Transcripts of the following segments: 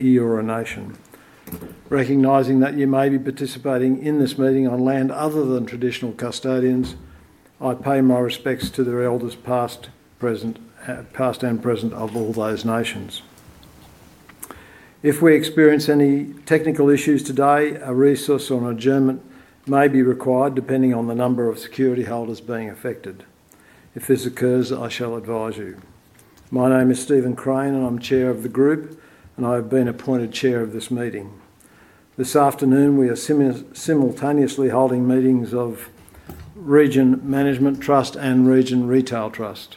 Eora nation. Recognizing that you may be participating in this meeting on land other than traditional custodians, I pay my respects to the elders past and present of all those nations. If we experience any technical issues today, a resource on adjournment may be required depending on the number of security holders being affected. If this occurs, I shall advise you. My name is Steven Crane and I'm Chair of the Group, and I have been appointed Chair of this meeting. This afternoon, we are simultaneously holding meetings of Region Management Trust and Region Retail Trust.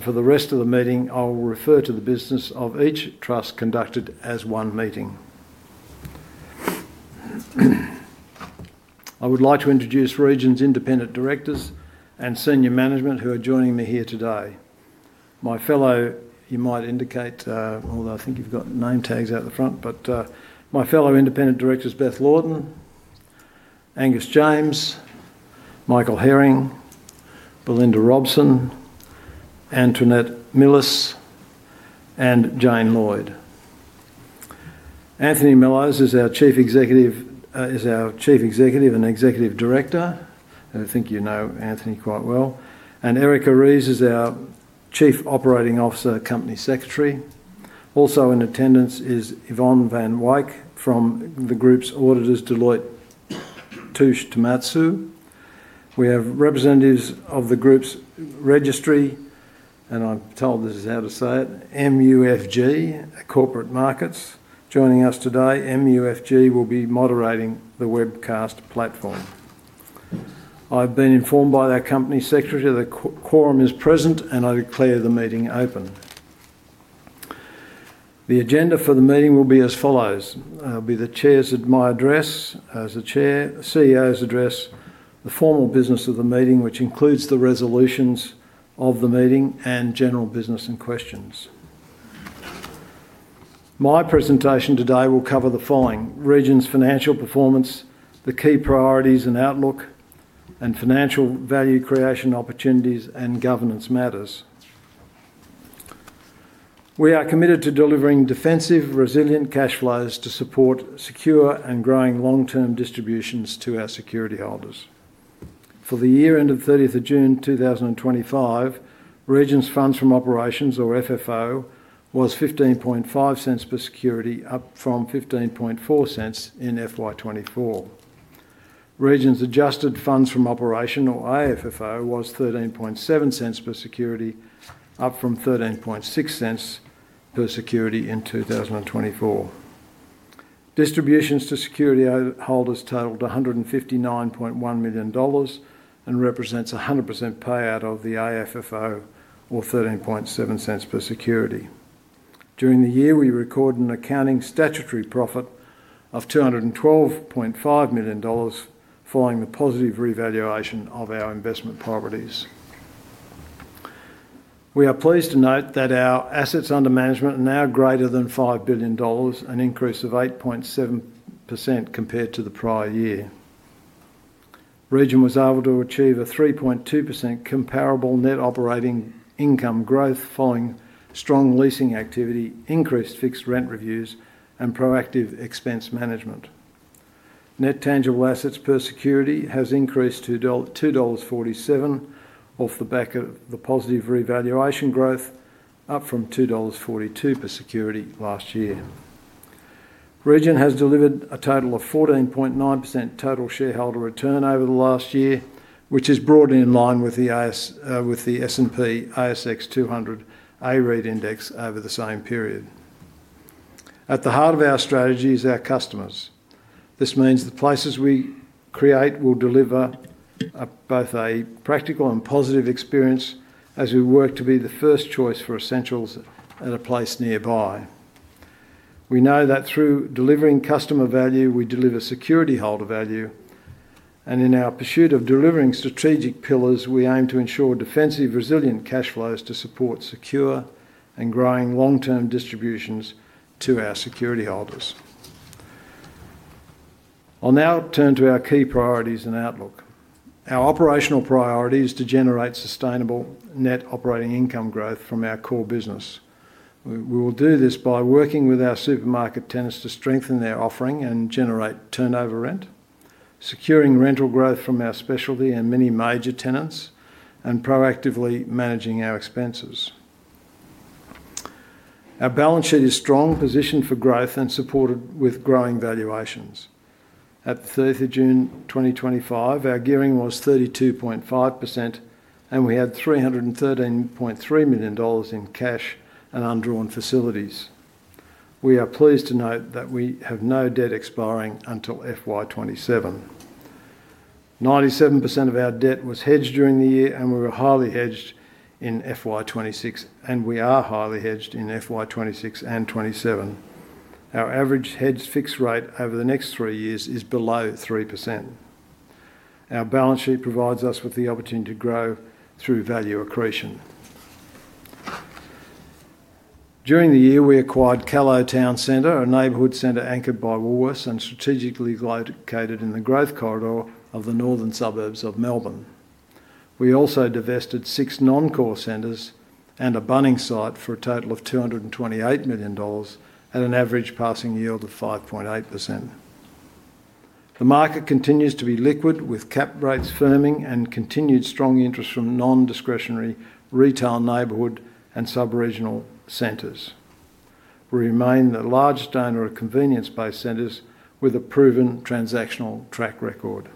For the rest of the meeting, I will refer to the business of each trust conducted as one meeting. I would like to introduce Region's independent directors and senior management who are joining me here today. My fellow, you might indicate, although I think you've got name tags out the front, but my fellow independent directors, Beth Laughton, Angus James, Michael Herring, Belinda Robson, Antoinette Milis, and Jane Lloyd. Anthony Mellowes is our Chief Executive and Executive Director. I think you know Anthony quite well. Erica Rees is our Chief Operating Officer and Company Secretary. Also in attendance is Yvonne van Wijk from the Group's auditors, Deloitte Touche Tohmatsu. We have representatives of the Group's registry, and I'm told this is how to say it, MUFG Corporate Markets joining us today. MUFG will be moderating the webcast platform. I've been informed by the Company Secretary that the quorum is present and I declare the meeting open. The agenda for the meeting will be as follows: it will be the Chair's address as the Chair, the CEO's address, the formal business of the meeting, which includes the resolutions of the meeting, and general business and questions. My presentation today will cover the following: Region's financial performance, the key priorities and outlook, and financial value creation opportunities and governance matters. We are committed to delivering defensive, resilient cash flows to support secure and growing long-term distributions to our security holders. For the year ended 30th of June, 2025, Region's funds from operations, or FFO, was 15.50 per security, up from 15.40 per security in FY 2024. Region's adjusted funds from operations, or AFFO, was 13.70 per security, up from 13.60 per security in 2024. Distributions to security holders totaled 159.1 million dollars and represent a 100% payout of the AFFO, or 13.70 per security. During the year, we recorded an accounting statutory profit of 212.5 million dollars following the positive revaluation of our investment properties. We are pleased to note that our assets under management are now greater than 5 billion dollars, an increase of 8.7% compared to the prior year. Region was able to achieve a 3.2% comparable net operating income growth following strong leasing activity, increased fixed rent reviews, and proactive expense management. Net tangible assets per security has increased to 2.47 dollars off the back of the positive revaluation growth, up from 2.42 dollars per security last year. Region Group has delivered a total of 14.9% total shareholder return over the last year, which is broadly in line with the S&P ASX 200 A-REIT index over the same period. At the heart of our strategy is our customers. This means the places we create will deliver both a practical and positive experience as we work to be the first choice for essentials at a place nearby. We know that through delivering customer value, we deliver security holder value. In our pursuit of delivering strategic pillars, we aim to ensure defensive, resilient cash flows to support secure and growing long-term distributions to our security holders. I'll now turn to our key priorities and outlook. Our operational priority is to generate sustainable net operating income growth from our core business. We will do this by working with our supermarket tenants to strengthen their offering and generate turnover rent, securing rental growth from our specialty and many major tenants, and proactively managing our expenses. Our balance sheet is strong, positioned for growth, and supported with growing valuations. At 30th of June 2025, our gearing was 32.5% and we had 313.3 million dollars in cash and undrawn facilities. We are pleased to note that we have no debt expiring until FY 2027. 97% of our debt was hedged during the year and we were highly hedged in FY 2026, and we are highly hedged in FY 2026 and FY 2027. Our average hedge fixed rate over the next three years is below 3%. Our balance sheet provides us with the opportunity to grow through value accretion. During the year, we acquired Kallo Town Centre, a neighborhood center anchored by Woolworths and strategically located in the growth corridor of the northern suburbs of Melbourne. We also divested six non-core centers and a banning site for a total of 228 million dollars at an average passing yield of 5.8%. The market continues to be liquid with cap rates firming and continued strong interest from non-discretionary retail neighborhood and sub-regional centers. We remain the largest owner of convenience-based centers with a proven transactional track record.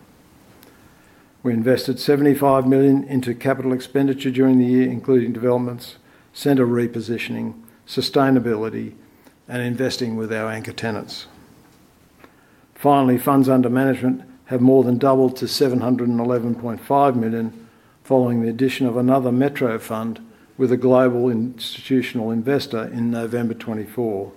We invested 75 million into capital expenditure during the year, including developments, center repositioning, sustainability, and investing with our anchor tenants. Finally, funds under management have more than doubled to 711.5 million following the addition of another Metro Fund with a global institutional investor in November 2024.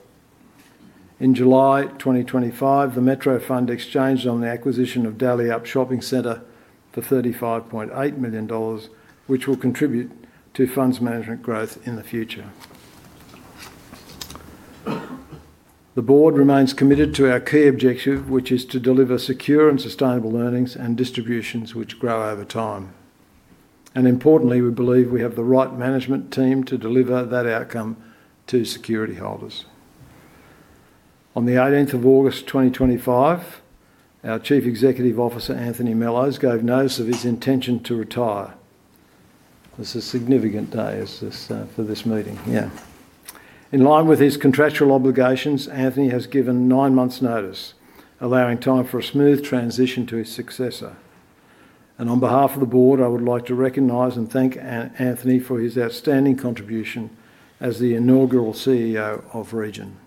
In July 2025, the Metro Fund exchanged on the acquisition of Dalyellup Shopping Centre for 35.8 million dollars, which will contribute to funds management growth in the future. The board remains committed to our key objective, which is to deliver secure and sustainable earnings and distributions which grow over time. Importantly, we believe we have the right management team to deliver that outcome to security holders. On the 18th of August 2025, our Chief Executive Officer, Anthony Mellowes, gave notice of his intention to retire. This is a significant day for this meeting. In line with his contractual obligations, Anthony has given nine months' notice, allowing time for a smooth transition to his successor. On behalf of the board, I would like to recognize and thank Anthony for his outstanding contribution as the inaugural CEO of Region.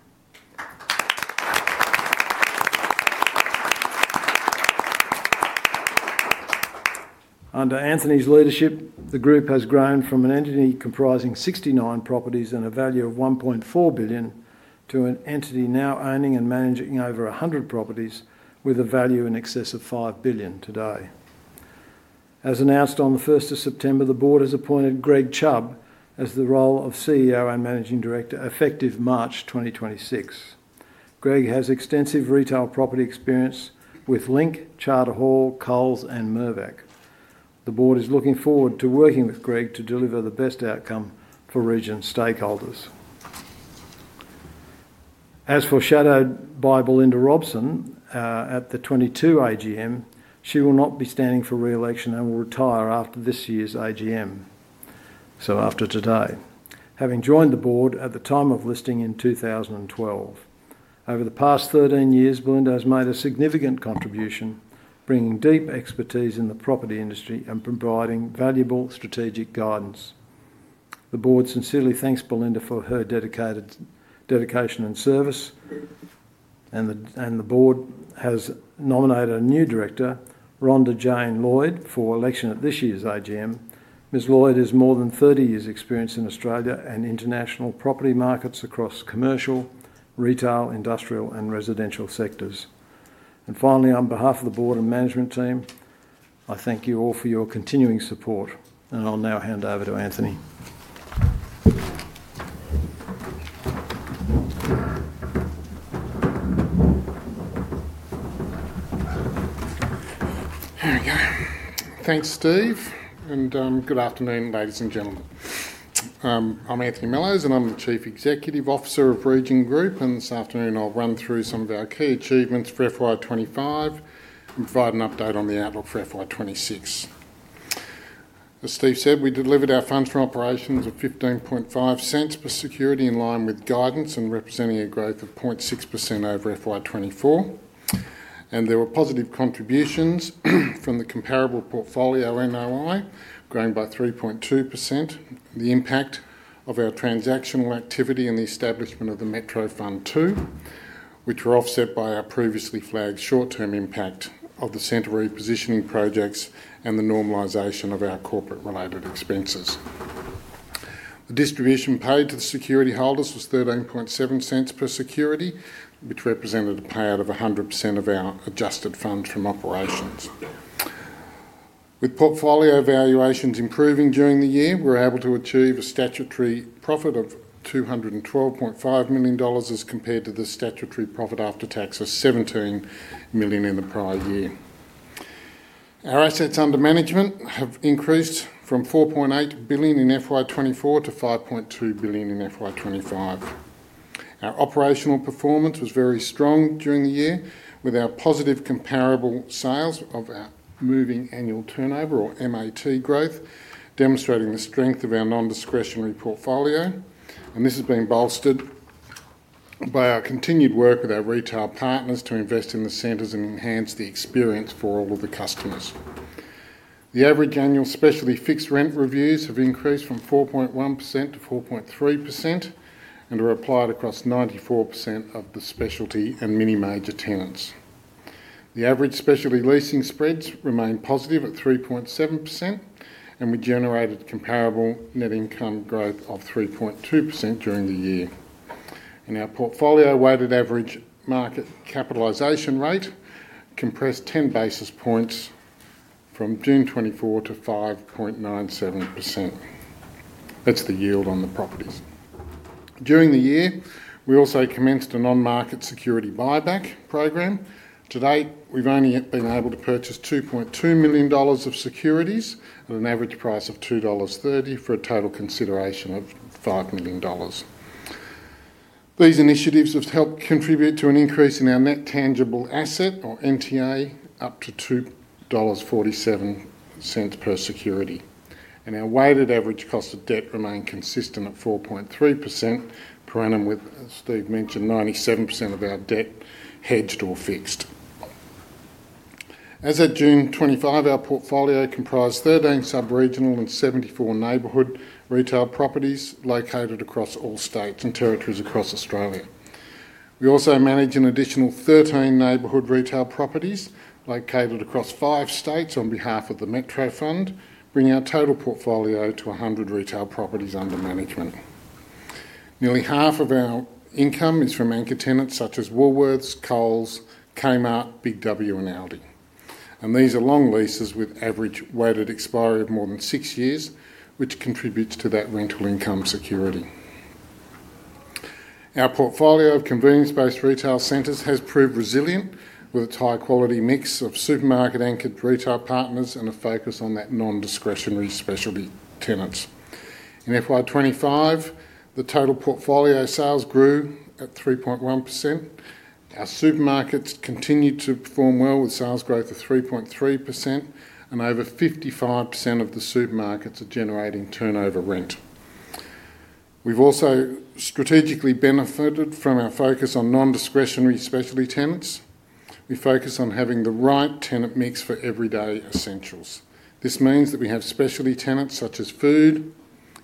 Under Anthony's leadership, the group has grown from an entity comprising 69 properties and a value of 1.4 billion to an entity now owning and managing over 100 properties with a value in excess of 5 billion today. As announced on the 1st of September, the board has appointed Greg Chubb as the role of CEO and Managing Director effective March 2026. Greg has extensive retail property experience with Link, Charter Hall, Coles, and Mirvac. The board is looking forward to working with Greg to deliver the best outcome for Region stakeholders. As foreshadowed by Belinda Robson at the 2022 AGM, she will not be standing for re-election and will retire after this year's AGM, so after today. Having joined the board at the time of listing in 2012, over the past 13 years, Belinda has made a significant contribution, bringing deep expertise in the property industry and providing valuable strategic guidance. The board sincerely thanks Belinda for her dedication and service. The board has nominated a new director, Rhonda Jane Lloyd, for election at this year's AGM. Ms. Lloyd has more than 30 years' experience in Australia and international property markets across commercial, retail, industrial, and residential sectors. Finally, on behalf of the board and management team, I thank you all for your continuing support. I'll now hand over to Anthony. Here we go. Thanks, Steve. Good afternoon, ladies and gentlemen. I'm Anthony Mellowes and I'm the Chief Executive Officer of Region Group. This afternoon, I'll run through some of our key achievements for FY 2025 and provide an update on the outlook for FY 2026. As Steve said, we delivered our funds from operations of 15.50 per security in line with guidance and representing a growth of 0.6% over FY 2024. There were positive contributions from the comparable portfolio NOI growing by 3.2%. The impact of our transactional activity and the establishment of the Metro Fund II were offset by our previously flagged short-term impact of the center repositioning projects and the normalization of our corporate-related expenses. The distribution paid to the security holders was 13.70 per security, which represented a payout of 100% of our adjusted funds from operations. With portfolio valuations improving during the year, we were able to achieve a statutory profit of 212.5 million dollars as compared to the statutory profit after taxes of 17 million in the prior year. Our assets under management have increased from 4.8 billion in FY 2024 to 5.2 billion in FY 2025. Our operational performance was very strong during the year with our positive comparable sales of our moving annual turnover, or MAT growth, demonstrating the strength of our non-discretionary portfolio. This has been bolstered by our continued work with our retail partners to invest in the centers and enhance the experience for all of the customers. The average annual specialty fixed rent reviews have increased from 4.1% to 4.3% and are applied across 94% of the specialty and many major tenants. The average specialty leasing spreads remain positive at 3.7% and we generated comparable net income growth of 3.2% during the year. In our portfolio, weighted average market capitalization rate compressed 10 basis points from June 2024 to 5.97%. That's the yield on the properties. During the year, we also commenced a non-market security buyback program. To date, we've only been able to purchase 2.2 million dollars of securities at an average price of 2.30 dollars for a total consideration of 5 million dollars. These initiatives have helped contribute to an increase in our net tangible asset, or NTA, up to 2.47 dollars per security. Our weighted average cost of debt remained consistent at 4.3% per annum, with, as Steve mentioned, 97% of our debt hedged or fixed. As of June 2025, our portfolio comprised 13 sub-regional and 74 neighborhood retail properties located across all states and territories across Australia. We also manage an additional 13 neighborhood retail properties located across five states on behalf of the Metro Fund, bringing our total portfolio to 100 retail properties under management. Nearly half of our income is from anchor tenants such as Woolworths, Coles, Kmart, Big W, and Aldi. These are long leases with average weighted expiry of more than six years, which contributes to that rental income security. Our portfolio of convenience-based retail centers has proved resilient with its high-quality mix of supermarket-anchored retail partners and a focus on non-discretionary specialty tenants. In FY 2025, the total portfolio sales grew at 3.1%. Our supermarkets continued to perform well with sales growth of 3.3%, and over 55% of the supermarkets are generating turnover rent. We've also strategically benefited from our focus on non-discretionary specialty tenants. We focus on having the right tenant mix for everyday essentials. This means that we have specialty tenants such as food,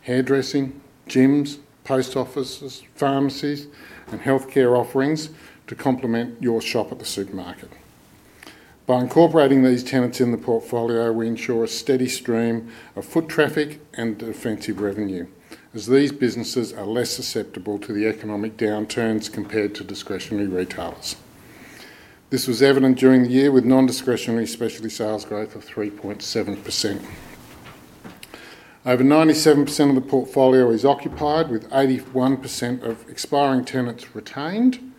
hairdressing, gyms, post offices, pharmacies, and healthcare offerings to complement your shop at the supermarket. By incorporating these tenants in the portfolio, we ensure a steady stream of foot traffic and defensive revenue, as these businesses are less susceptible to the economic downturns compared to discretionary retailers. This was evident during the year with non-discretionary specialty sales growth of 3.7%. Over 97% of the portfolio is occupied, with 81% of expiring tenants retained,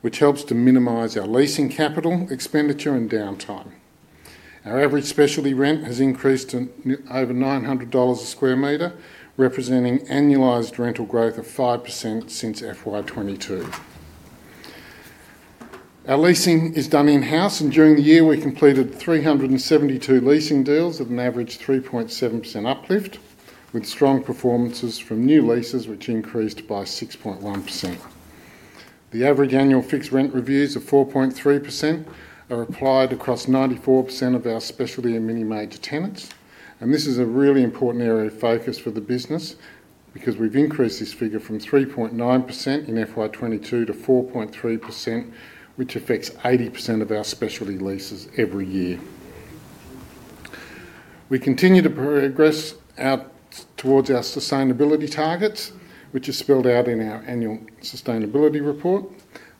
which helps to minimize our leasing capital, expenditure, and downtime. Our average specialty rent has increased to over 900 dollars a square meter, representing annualized rental growth of 5% since FY 2022. Our leasing is done in-house, and during the year, we completed 372 leasing deals at an average of 3.7% uplift, with strong performances from new leases, which increased by 6.1%. The average annual fixed rent reviews of 4.3% are applied across 94% of our specialty and many major tenants. This is a really important area of focus for the business because we've increased this figure from 3.9% in FY 2022 to 4.3%, which affects 80% of our specialty leases every year. We continue to progress towards our sustainability targets, which are spelled out in our annual sustainability report.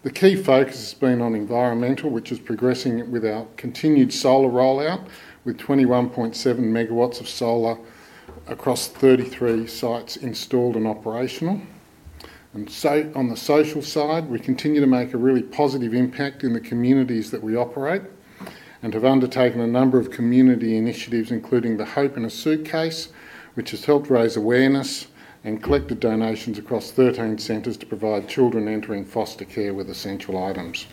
The key focus has been on environmental, which is progressing with our continued solar rollout with 21.7 MW of solar across 33 sites installed and operational. On the social side, we continue to make a really positive impact in the communities that we operate and have undertaken a number of community initiatives, including the Hope in a Suitcase, which has helped raise awareness and collected donations across 13 centers to provide children entering foster care with essential items.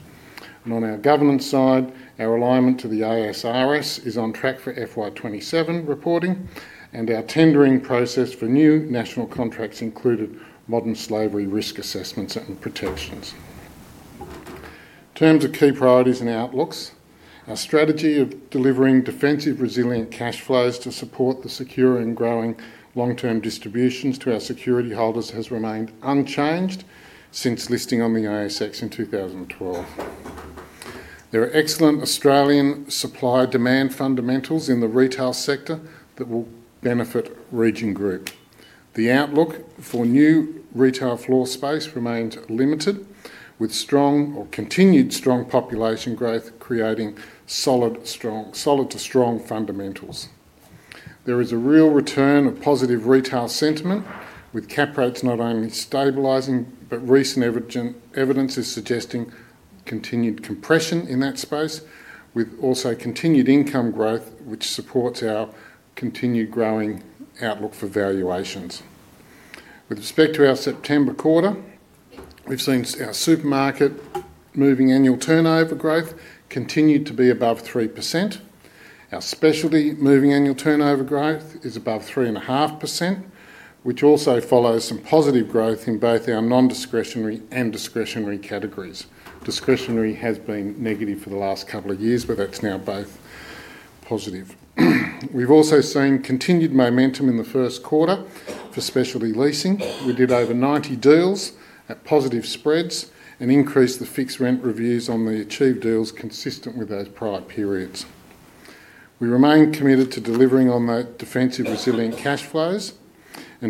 On our governance side, our alignment to the ASRS is on track for FY 2027 reporting, and our tendering process for new national contracts included modern slavery risk assessments and protections. In terms of key priorities and outlooks, our strategy of delivering defensive, resilient cash flows to support the secure and growing long-term distributions to our security holders has remained unchanged since listing on the ASX in 2012. There are excellent Australian supply-demand fundamentals in the retail sector that will benefit Region Group. The outlook for new retail floor space remains limited, with strong or continued strong population growth creating solid to strong fundamentals. There is a real return of positive retail sentiment, with cap rates not only stabilizing, but recent evidence is suggesting continued compression in that space, with also continued income growth, which supports our continued growing outlook for valuations. With respect to our September quarter, we've seen our supermarket moving annual turnover growth continue to be above 3%. Our specialty moving annual turnover growth is above 3.5%, which also follows some positive growth in both our non-discretionary and discretionary categories. Discretionary has been negative for the last couple of years, but that's now both positive. We've also seen continued momentum in the first quarter for specialty leasing. We did over 90 deals at positive spreads and increased the fixed rent reviews on the achieved deals consistent with those prior periods. We remain committed to delivering on the defensive, resilient cash flows.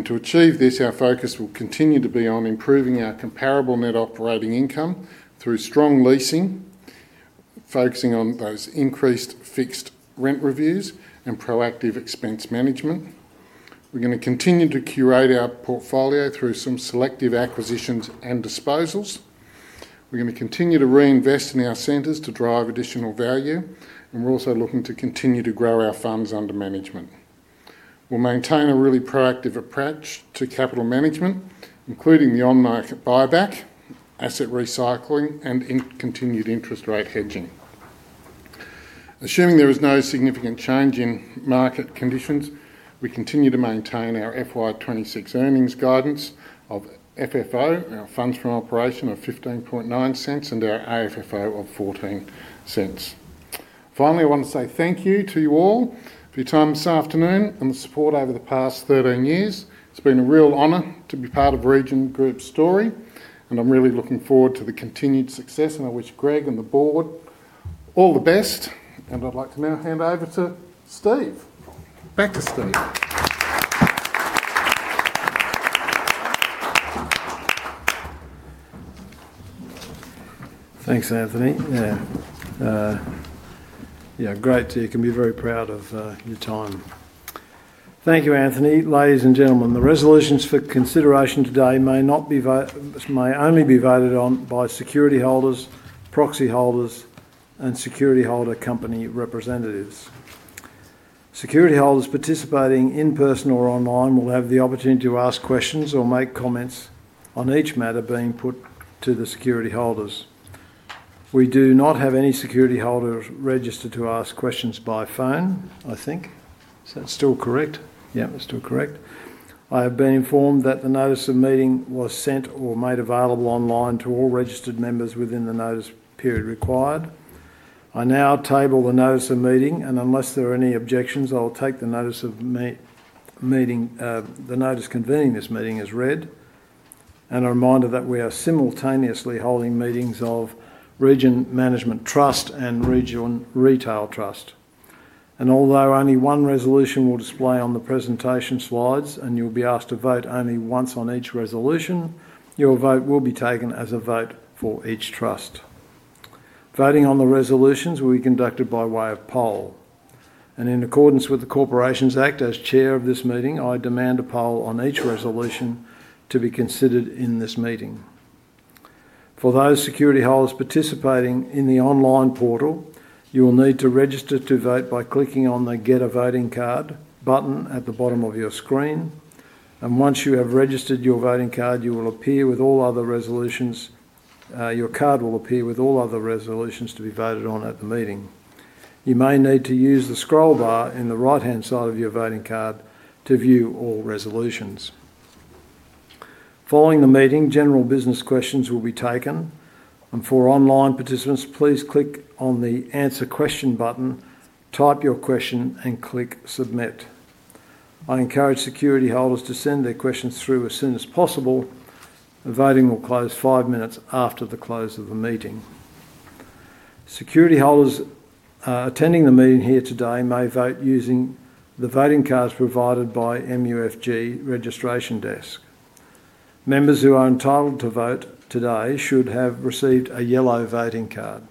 To achieve this, our focus will continue to be on improving our comparable net operating income through strong leasing, focusing on those increased fixed rent reviews and proactive expense management. We're going to continue to curate our portfolio through some selective acquisitions and disposals. We're going to continue to reinvest in our centers to drive additional value. We are also looking to continue to grow our funds under management. We'll maintain a really proactive approach to capital management, including the on-market buyback, asset recycling, and continued interest rate hedging. Assuming there is no significant change in market conditions, we continue to maintain our FY 2026 earnings guidance of FFO, our funds from operations of 15.90, and our AFFO of 0.14. Finally, I want to say thank you to you all for your time this afternoon and the support over the past 13 years. It's been a real honor to be part of Region Group's story, and I'm really looking forward to the continued success. I wish Greg and the board all the best. I'd like to now hand over to Steve. Back to Steve. Thanks, Anthony. Yeah, great to you. You can be very proud of your time. Thank you, Anthony. Ladies and gentlemen, the resolutions for consideration today may not be voted, but may only be voted on by security holders, proxy holders, and security holder company representatives. Security holders participating in person or online will have the opportunity to ask questions or make comments on each matter being put to the security holders. We do not have any security holders registered to ask questions by phone, I think. Is that still correct? Yeah, that's still correct. I have been informed that the notice of meeting was sent or made available online to all registered members within the notice period required. I now table the notice of meeting, and unless there are any objections, I'll take the notice of meeting, the notice convening this meeting as read. A reminder that we are simultaneously holding meetings of Region Management Trust and Region Retail Trust. Although only one resolution will display on the presentation slides, and you'll be asked to vote only once on each resolution, your vote will be taken as a vote for each trust. Voting on the resolutions will be conducted by way of poll. In accordance with the Corporations Act, as Chair of this meeting, I demand a poll on each resolution to be considered in this meeting. For those security holders participating in the online portal, you will need to register to vote by clicking on the "Get a voting card" button at the bottom of your screen. Once you have registered your voting card, your card will appear with all other resolutions to be voted on at the meeting. You may need to use the scroll bar on the right-hand side of your voting card to view all resolutions. Following the meeting, general business questions will be taken. For online participants, please click on the "Answer Question" button, type your question, and click "Submit." I encourage security holders to send their questions through as soon as possible. The voting will close five minutes after the close of the meeting. Security holders attending the meeting here today may vote using the voting cards provided by the MUFG registration desk. Members who are entitled to vote today should have received a yellow voting card.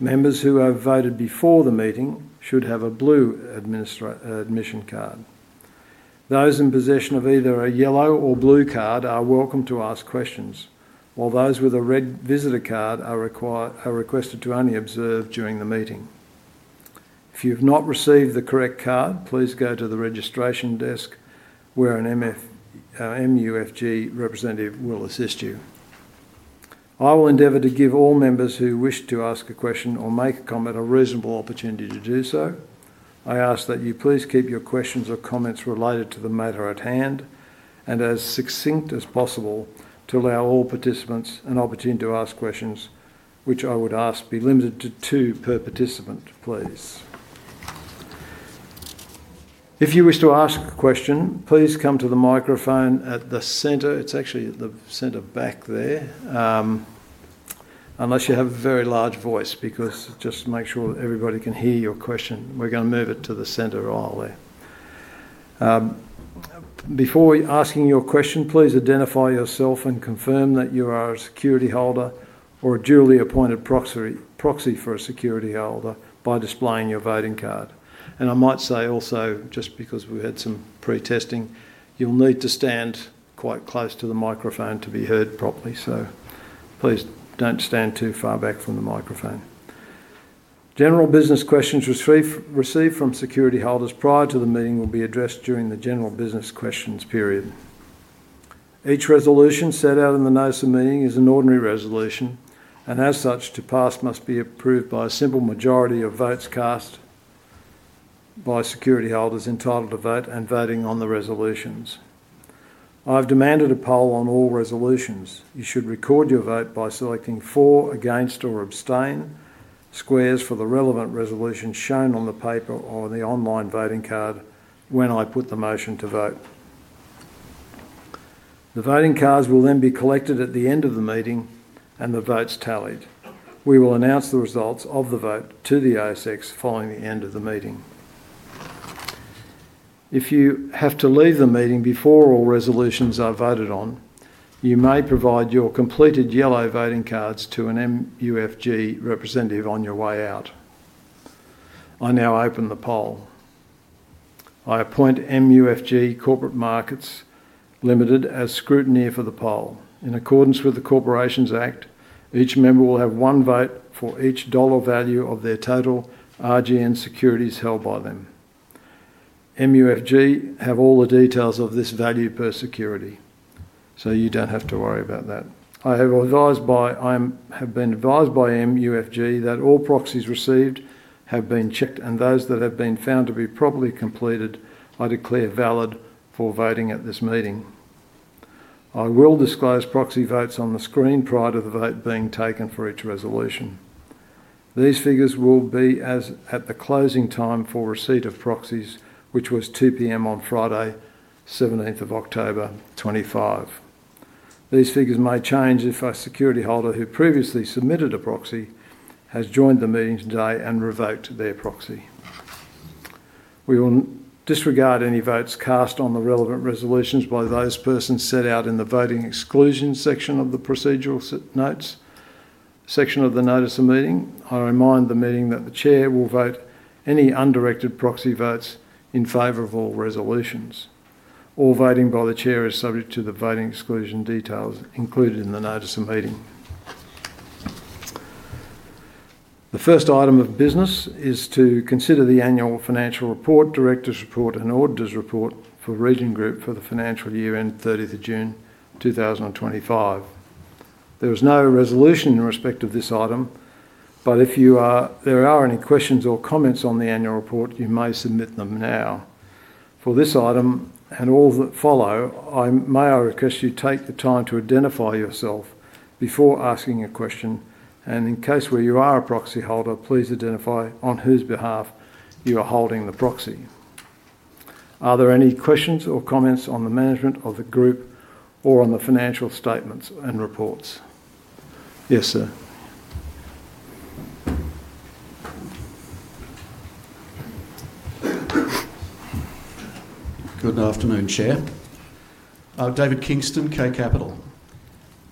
Members who have voted before the meeting should have a blue admission card. Those in possession of either a yellow or blue card are welcome to ask questions, while those with a red visitor card are requested to only observe during the meeting. If you've not received the correct card, please go to the registration desk where an MUFG representative will assist you. I will endeavor to give all members who wish to ask a question or make a comment a reasonable opportunity to do so. I ask that you please keep your questions or comments related to the matter at hand and as succinct as possible to allow all participants an opportunity to ask questions, which I would ask be limited to two per participant, please. If you wish to ask a question, please come to the microphone at the center. It's actually at the center back there, unless you have a very large voice because just to make sure that everybody can hear your question. We're going to move it to the center aisle there. Before asking your question, please identify yourself and confirm that you are a security holder or a duly appointed proxy for a security holder by displaying your voting card. I might say also, just because we had some pre-testing, you'll need to stand quite close to the microphone to be heard properly. Please don't stand too far back from the microphone. General business questions received from security holders prior to the meeting will be addressed during the general business questions period. Each resolution set out in the notice of meeting is an ordinary resolution, and as such, to pass must be approved by a simple majority of votes cast by security holders entitled to vote and voting on the resolutions. I've demanded a poll on all resolutions. You should record your vote by selecting for, against, or abstain squares for the relevant resolution shown on the paper or on the online voting card when I put the motion to vote. The voting cards will then be collected at the end of the meeting, and the votes tallied. We will announce the results of the vote to the ASX following the end of the meeting. If you have to leave the meeting before all resolutions are voted on, you may provide your completed yellow voting cards to an MUFG representative on your way out. I now open the poll. I appoint MUFG Corporate Markets Ltd. as scrutineer for the poll. In accordance with the Corporations Act, each member will have one vote for each dollar value of their total RGN securities held by them. MUFG have all the details of this value per security, so you don't have to worry about that. I have been advised by MUFG that all proxies received have been checked, and those that have been found to be properly completed I declare valid for voting at this meeting. I will disclose proxy votes on the screen prior to the vote being taken for each resolution. These figures will be as at the closing time for receipt of proxies, which was 2:00 P.M. on Friday, 17th of October 2025. These figures may change if a security holder who previously submitted a proxy has joined the meeting today and revoked their proxy. We will disregard any votes cast on the relevant resolutions by those persons set out in the voting exclusion section of the procedural notes section of the notice of meeting. I remind the meeting that the Chair will vote any undirected proxy votes in favor of all resolutions. All voting by the Chair is subject to the voting exclusion details included in the notice of meeting. The first item of business is to consider the annual financial report, Director's report, and auditor's report for Region Group for the financial year end 30th of June 2025. There is no resolution in respect of this item, but if there are any questions or comments on the annual report, you may submit them now. For this item and all that follow, I request you take the time to identify yourself before asking a question. In case where you are a proxy holder, please identify on whose behalf you are holding the proxy. Are there any questions or comments on the management of the group or on the financial statements and reports? Yes, sir. Good afternoon, Chair. David Kingston, KCapital.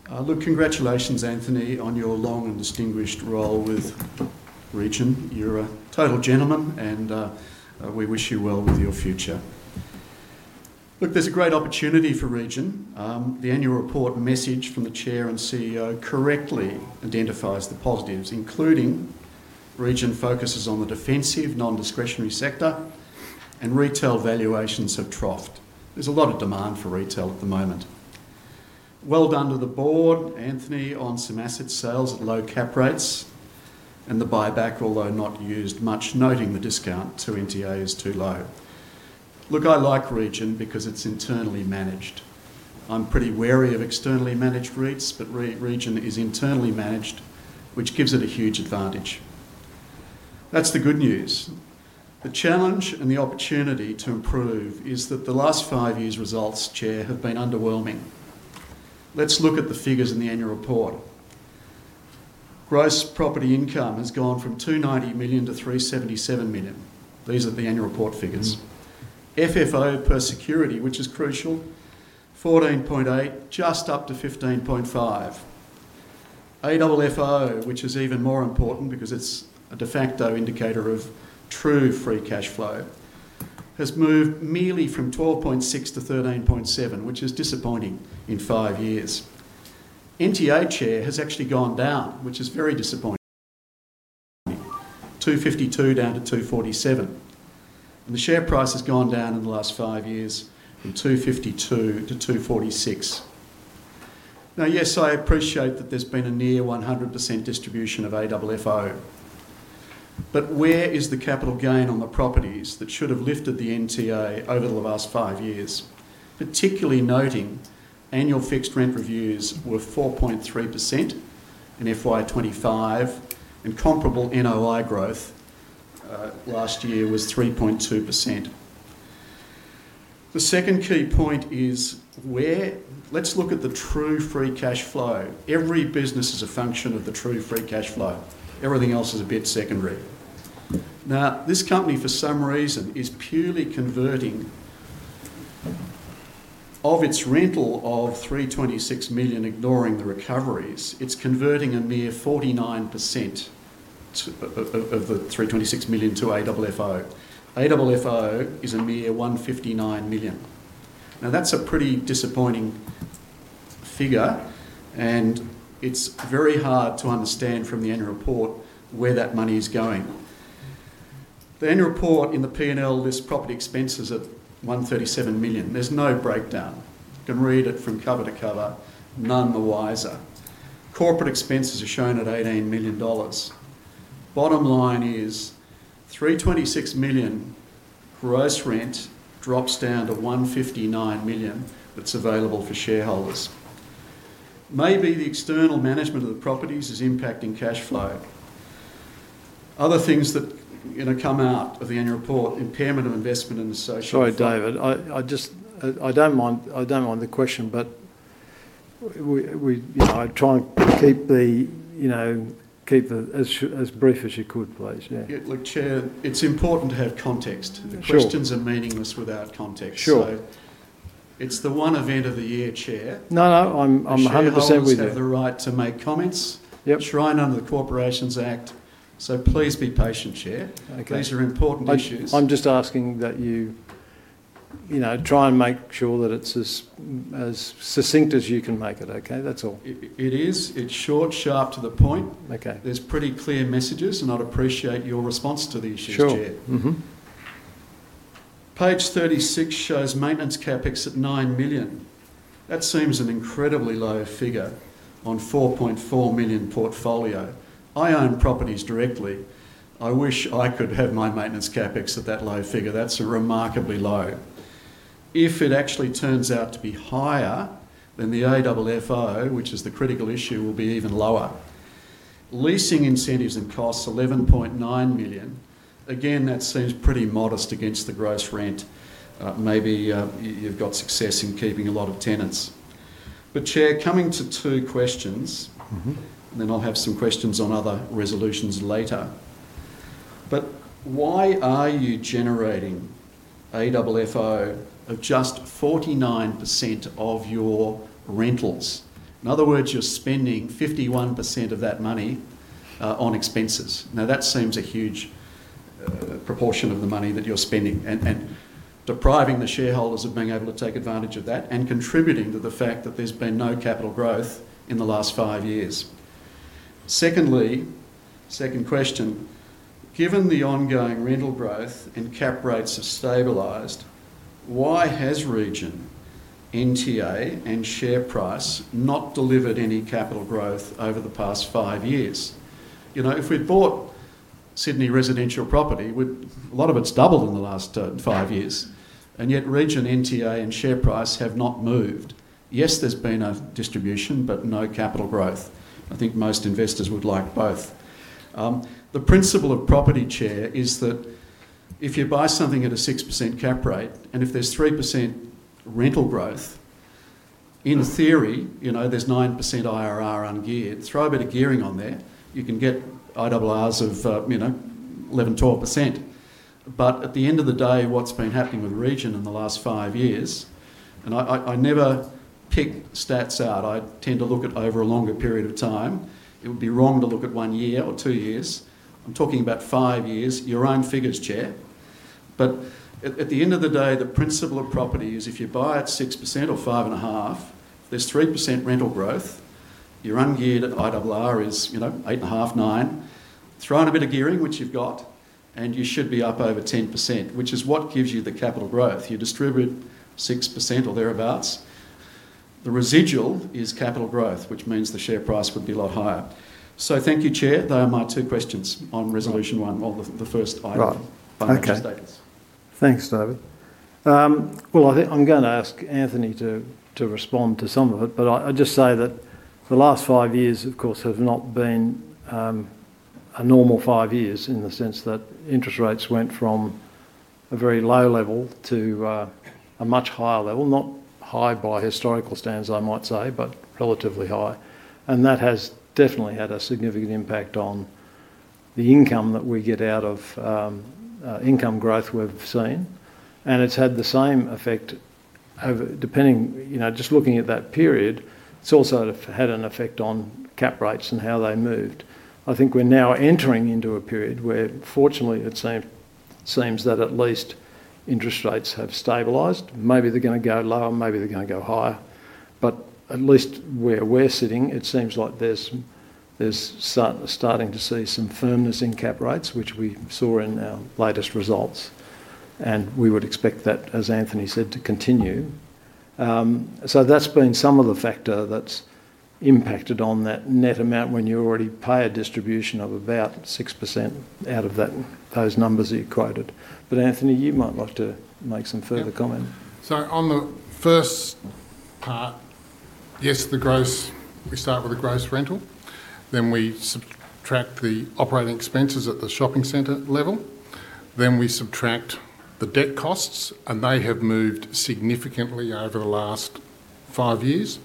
Congratulations, Anthony, on your long and distinguished role with Region. You're a total gentleman, and we wish you well with your future. There's a great opportunity for Region. The annual report, a message from the Chair and CEO, correctly identifies the positives, including Region focuses on the defensive non-discretionary sector, and retail valuations have troughed. There's a lot of demand for retail at the moment. Well done to the board, Anthony, on some asset sales at low cap rates and the buyback, although not used much, noting the discount to NTA is too low. I like Region because it's internally managed. I'm pretty wary of externally managed REITs, but Region is internally managed, which gives it a huge advantage. That's the good news. The challenge and the opportunity to improve is that the last five years' results, Chair, have been underwhelming. Let's look at the figures in the annual report. Gross property income has gone from 290 million to 377 million. These are the annual report figures. FFO per security, which is crucial, 14.80, just up to 15.50. AFFO, which is even more important because it's a de facto indicator of true free cash flow, has moved merely from 12.60 to 13.70, which is disappointing in five years. NTA, Chair, has actually gone down, which is very disappointing. 2.52 down to 2.47. The share price has gone down in the last five years from 2.52 to 2.46. Now, yes, I appreciate that there's been a near 100% distribution of AFFO, but where is the capital gain on the properties that should have lifted the NTA over the last five years? Particularly noting annual fixed rent reviews were 4.3% in FY 2025, and comparable NOI growth last year was 3.2%. The second key point is where let's look at the true free cash flow. Every business is a function of the true free cash flow. Everything else is a bit secondary. This company, for some reason, is purely converting of its rental of 326 million, ignoring the recoveries. It's converting a mere 49% of the 326 million to AFFO. AFFO is a mere 159 million. That's a pretty disappointing figure, and it's very hard to understand from the annual report where that money is going. The annual report in the P&L lists property expenses at 137 million. There's no breakdown. You can read it from cover to cover. None the wiser. Corporate expenses are shown at 18 million dollars. Bottom line is 326 million gross rent drops down to 159 million that's available for shareholders. Maybe the external management of the properties is impacting cash flow. Other things that come out of the annual report, impairment of investment in association. Sorry, David. I don't mind the question, but try and keep it as brief as you could, please. Yeah. Chair, it's important to have context. The questions are meaningless without context. It's the one event of the year, Chair. No, no, I'm 100% with you. You have the right to make comments. It's right under the Corporations Act. Please be patient, Chair. These are important issues. I'm just asking that you try and make sure that it's as succinct as you can make it, okay? That's all. It is. It's short, sharp, to the point. There are pretty clear messages, and I'd appreciate your response to the issue, Chair. Sure. Page 36 shows maintenance CapEx at 9 million. That seems an incredibly low figure on a [4.4 million] portfolio. I own properties directly. I wish I could have my maintenance CapEx at that low figure. That's remarkably low. If it actually turns out to be higher, then the AFFO, which is the critical issue, will be even lower. Leasing incentives and costs 11.9 million. Again, that seems pretty modest against the gross rent. Maybe you've got success in keeping a lot of tenants. Chair, coming to two questions, and then I'll have some questions on other resolutions later. Why are you generating AFFO of just 49% of your rentals? In other words, you're spending 51% of that money on expenses. That seems a huge proportion of the money that you're spending and depriving the shareholders of being able to take advantage of that and contributing to the fact that there's been no capital growth in the last five years. Secondly, given the ongoing rental growth and cap rates have stabilized, why has Region, NTA, and share price not delivered any capital growth over the past five years? If we'd bought Sydney residential property, a lot of it's doubled in the last five years. Yet Region, NTA, and share price have not moved. Yes, there's been a distribution, but no capital growth. I think most investors would like both. The principle of property, Chair, is that if you buy something at a 6% cap rate and if there's 3% rental growth, in theory, there's 9% IRR ungeared. Throw a bit of gearing on there, you can get IRRs of 11%, 12%. At the end of the day, what's been happening with Region in the last five years, and I never pick stats out. I tend to look at over a longer period of time. It would be wrong to look at one year or two years. I'm talking about five years, your own figures, Chair. At the end of the day, the principle of property is if you buy at 6% or 5.5%, there's 3% rental growth. Your ungeared IRR is 8.5%, 9%. Throw in a bit of gearing, which you've got, and you should be up over 10%, which is what gives you the capital growth. You distribute 6% or thereabouts. The residual is capital growth, which means the share price would be a lot higher. Thank you, Chair. They are my two questions on resolution one, or the first item by my status. Thanks, David. I'm going to ask Anthony to respond to some of it, but I just say that the last five years, of course, have not been a normal five years in the sense that interest rates went from a very low level to a much higher level, not high by historical standards, I might say, but relatively high. That has definitely had a significant impact on the income that we get out of income growth we've seen. It's had the same effect depending, you know, just looking at that period. It's also had an effect on cap rates and how they moved. I think we're now entering into a period where, fortunately, it seems that at least interest rates have stabilized. Maybe they're going to go lower, maybe they're going to go higher. At least where we're sitting, it seems like there's starting to see some firmness in cap rates, which we saw in our latest results. We would expect that, as Anthony said, to continue. That's been some of the factor that's impacted on that net amount when you already pay a distribution of about 6% out of those numbers that you quoted. Anthony, you might like to make some further comment. On the first part, yes, we start with the gross rental. Then we subtract the operating expenses at the shopping center level. Then we subtract the debt costs, and they have moved significantly over the last five years.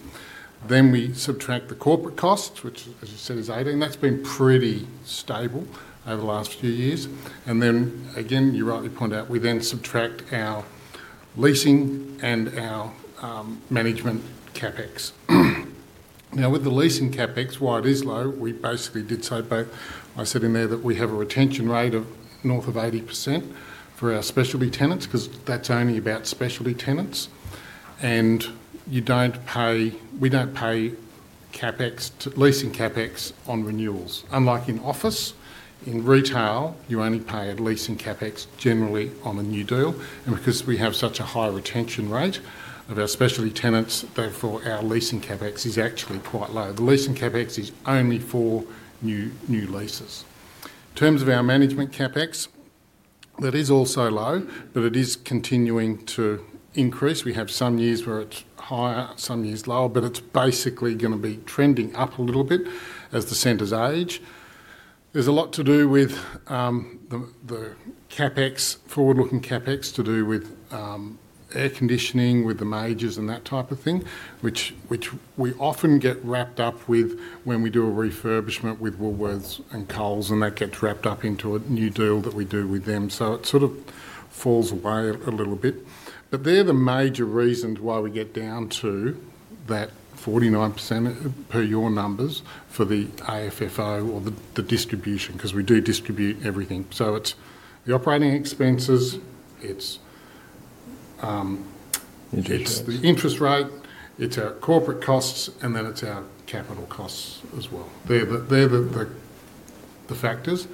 We then subtract the corporate costs, which, as you said, is 18 million. That's been pretty stable over the last few years. Again, you rightly point out, we then subtract our leasing and our management CapEx. Now, with the leasing CapEx, why it is low, we basically did say both. I said in there that we have a retention rate of north of 80% for our specialty tenants because that's only about specialty tenants. You don't pay, we don't pay CapEx, leasing CapEx on renewals, unlike in office. In retail, you only pay a leasing CapEx generally on a new deal. Because we have such a high retention rate of our specialty tenants, therefore, our leasing CapEx is actually quite low. The leasing CapEx is only for new leases. In terms of our management CapEx, that is also low, but it is continuing to increase. We have some years where it's higher, some years lower, but it's basically going to be trending up a little bit as the centers age. There's a lot to do with the CapEx, forward-looking CapEx, to do with air conditioning, with the majors, and that type of thing, which we often get wrapped up with when we do a refurbishment with Woolworths and Coles, and that gets wrapped up into a new deal that we do with them. It sort of falls away a little bit. They're the major reasons why we get down to that 49% per your numbers for the AFFO or the distribution because we do distribute everything. It's the operating expenses, it's the interest rate, it's our corporate costs, and then it's our capital costs as well. They're the factors.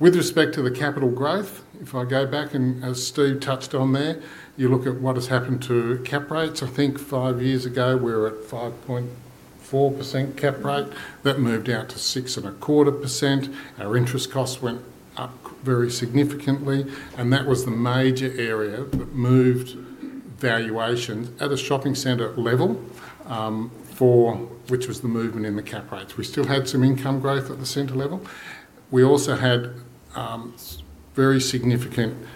With respect to the capital growth, if I go back, and as Steven touched on there, you look at what has happened to cap rates. I think five years ago, we were at 5.4% cap rate. That moved out to 6.25%. Our interest costs went up very significantly. That was the major area that moved valuations at a shopping center level, which was the movement in the cap rates. We still had some income growth at the center level. We also had very significant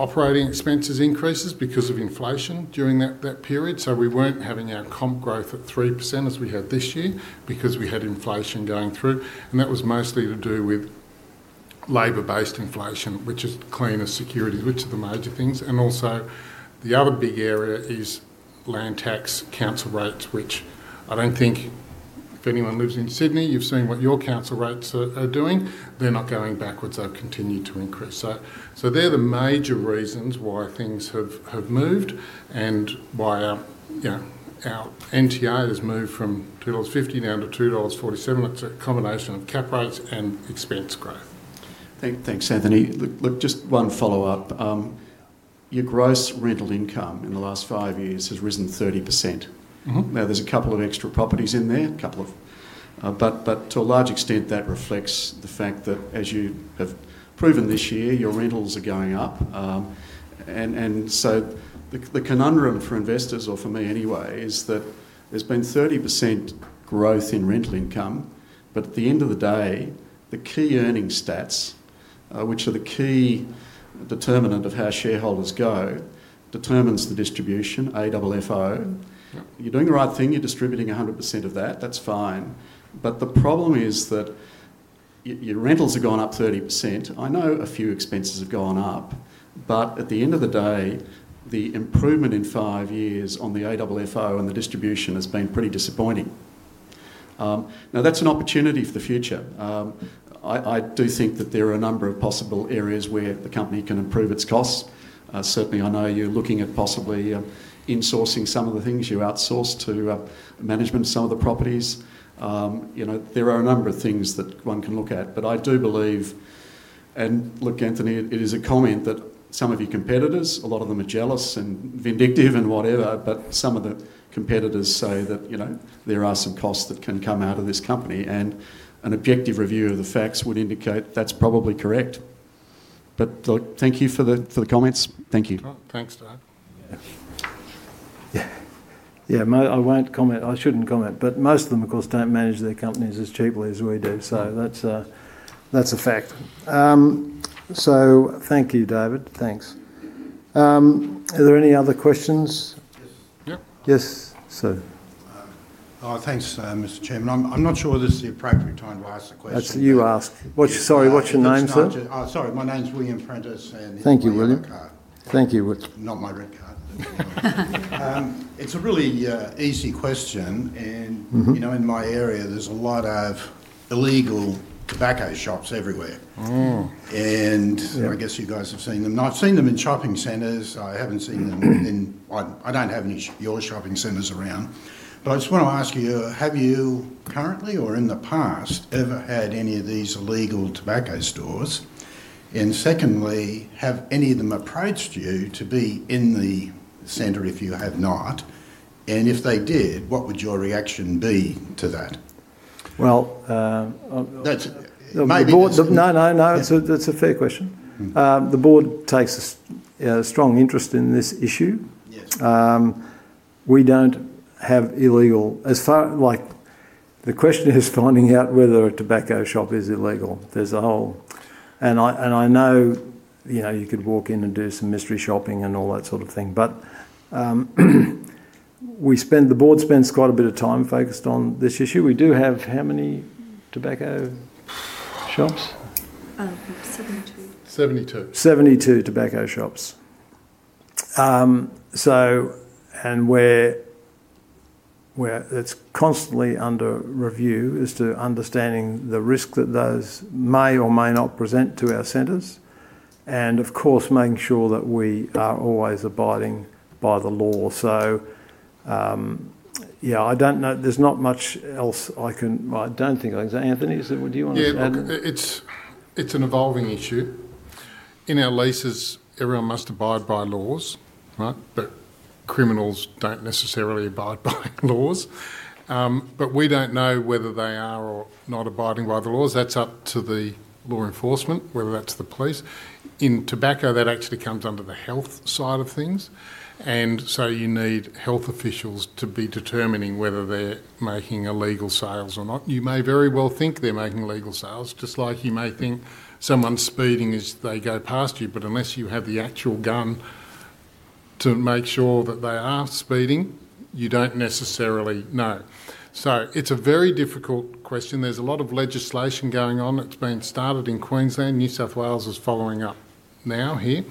operating expenses increases because of inflation during that period. We weren't having our comp growth at 3% as we had this year because we had inflation going through. That was mostly to do with labor-based inflation, which is cleaner securities, which are the major things. Also, the other big area is land tax council rates, which I don't think if anyone lives in Sydney, you've seen what your council rates are doing. They're not going backwards. They've continued to increase. They're the major reasons why things have moved and why our NTA has moved from 2.50 dollars down to 2.47 dollars. It's a combination of cap rates and expense growth. Thanks, Anthony. Just one follow-up. Your gross rental income in the last five years has risen 30%. There are a couple of extra properties in there, but to a large extent, that reflects the fact that as you have proven this year, your rentals are going up. The conundrum for investors, or for me anyway, is that there's been 30% growth in rental income, but at the end of the day, the key earnings stats, which are the key determinant of how shareholders go, determines the distribution, AFFO. You're doing the right thing. You're distributing 100% of that. That's fine. The problem is that your rentals have gone up 30%. I know a few expenses have gone up, but at the end of the day, the improvement in five years on the AFFO and the distribution has been pretty disappointing. That's an opportunity for the future. I do think that there are a number of possible areas where the company can improve its costs. Certainly, I know you're looking at possibly insourcing some of the things you outsource to the management of some of the properties. There are a number of things that one can look at, but I do believe, and Anthony, it is a comment that some of your competitors, a lot of them are jealous and vindictive and whatever, but some of the competitors say that there are some costs that can come out of this company. An objective review of the facts would indicate that's probably correct. Thank you for the comments. Thank you. Thanks, Dave. Yeah, I won't comment. I shouldn't comment, but most of them, of course, don't manage their companies as cheaply as we do. That's a fact. Thank you, David. Thanks. Are there any other questions? Yes. Yes. Sir. Oh, thanks, Mr. Chairman. I'm not sure this is the appropriate time to ask the question. You ask. Sorry, what's your name, sir? Sorry, my name's William Prentis. Thank you, William. [My rent card]. Thank you. It's a really easy question. In my area, there's a lot of illegal tobacco shops everywhere. I guess you guys have seen them. I've seen them in shopping centers. I haven't seen them in, I don't have any of your shopping centers around. I just want to ask you, have you currently or in the past ever had any of these illegal tobacco stores? Have any of them approached you to be in the center if you have not? If they did, what would your reaction be to that? Well. Maybe that's. That's a fair question. The board takes a strong interest in this issue. We don't have illegal, as far as like the question is finding out whether a tobacco shop is illegal. There's a whole, and I know, you know, you could walk in and do some mystery shopping and all that sort of thing. We spend, the board spends quite a bit of time focused on this issue. We do have how many tobacco shops? 72. 72 tobacco shops. It is constantly under review to understand the risk that those may or may not present to our centers. Of course, making sure that we are always abiding by the law. I don't know. There's not much else I can, I don't think I can. Anthony, is it, what do you want to say? Yeah, it's an evolving issue. In our leases, everyone must abide by laws, right? Criminals don't necessarily abide by laws. We don't know whether they are or not abiding by the laws. That's up to law enforcement, whether that's the police. In tobacco, that actually comes under the health side of things, so you need health officials to be determining whether they're making illegal sales or not. You may very well think they're making illegal sales, just like you may think someone's speeding as they go past you. Unless you have the actual gun to make sure that they are speeding, you don't necessarily know. It's a very difficult question. There's a lot of legislation going on that's being started in Queensland. New South Wales is following up now here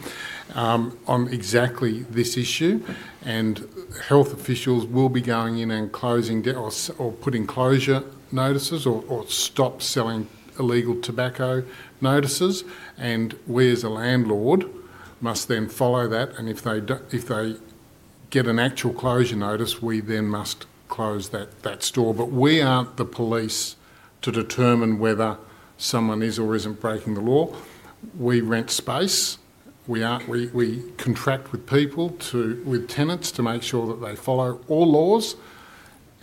on exactly this issue. Health officials will be going in and closing or putting closure notices or stop selling illegal tobacco notices. We as a landlord must then follow that. If they get an actual closure notice, we then must close that store. We aren't the police to determine whether someone is or isn't breaking the law. We rent space. We contract with people, with tenants to make sure that they follow all laws.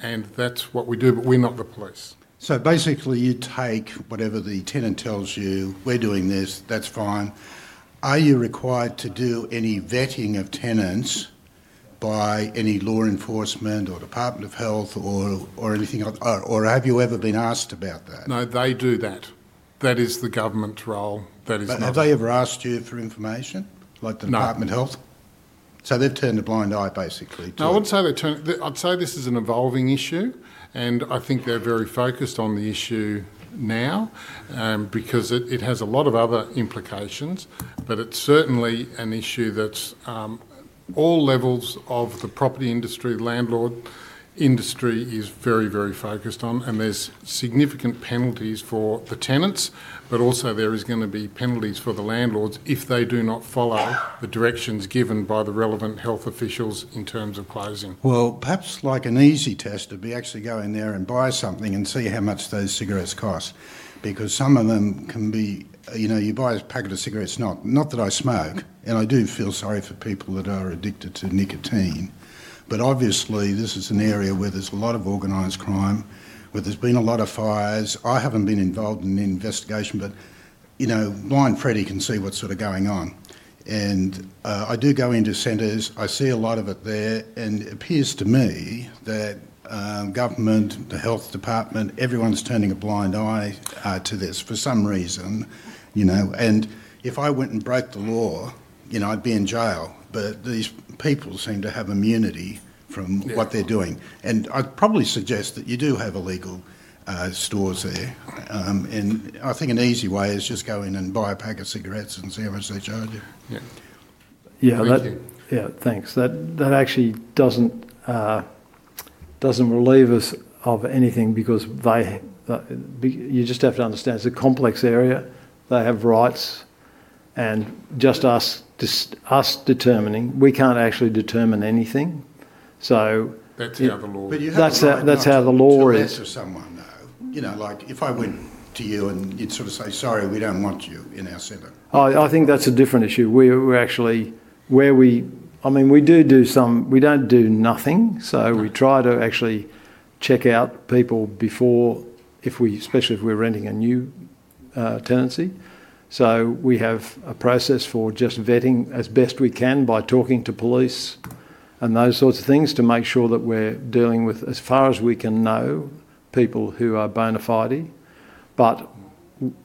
That's what we do. We're not the police. You take whatever the tenant tells you, we're doing this. That's fine. Are you required to do any vetting of tenants by any law enforcement or Department of Health or anything else? Have you ever been asked about that? No, they do that. That is the government role. Have they ever asked you for information like the Department of Health? No. They've turned a blind eye, basically. I wouldn't say they turn it. I'd say this is an evolving issue. I think they're very focused on the issue now because it has a lot of other implications. It's certainly an issue that all levels of the property industry, landlord industry is very, very focused on. There are significant penalties for the tenants. Also, there are going to be penalties for the landlords if they do not follow the directions given by the relevant health officials in terms of closing. Perhaps an easy test would be to actually go in there and buy something and see how much those cigarettes cost because some of them can be, you know, you buy a packet of cigarettes. Not that I smoke. I do feel sorry for people that are addicted to nicotine. Obviously, this is an area where there's a lot of organized crime, where there's been a lot of fires. I haven't been involved in the investigation, but you know, [Lion Freddy] can see what's sort of going on. I do go into centers, I see a lot of it there. It appears to me that government, the health department, everyone's turning a blind eye to this for some reason, you know. If I went and broke the law, you know, I'd be in jail. These people seem to have immunity from what they're doing. I'd probably suggest that you do have illegal stores there. I think an easy way is just go in and buy a pack of cigarettes and see how much they charge you. Yeah, yeah, that. Thank you. Yeah, thanks. That actually doesn't relieve us of anything because you just have to understand it's a complex area. They have rights. Just us determining, we can't actually determine anything. That's how the law is. That's how the law is. You know, like if I went to you and you'd sort of say, "Sorry, we don't want you in our centre." I think that's a different issue. We're actually, we do do some, we don't do nothing. We try to actually check out people before, especially if we're renting a new tenancy. We have a process for just vetting as best we can by talking to police and those sorts of things to make sure that we're dealing with, as far as we can know, people who are bona fide.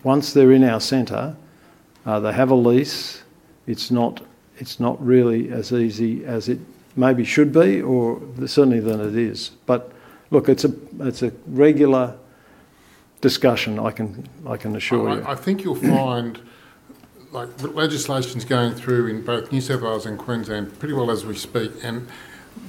Once they're in our centre, they have a lease. It's not really as easy as it maybe should be, or certainly than it is. It's a regular discussion, I can assure you. I think you'll find the legislation's going through in both New South Wales and Queensland pretty well as we speak.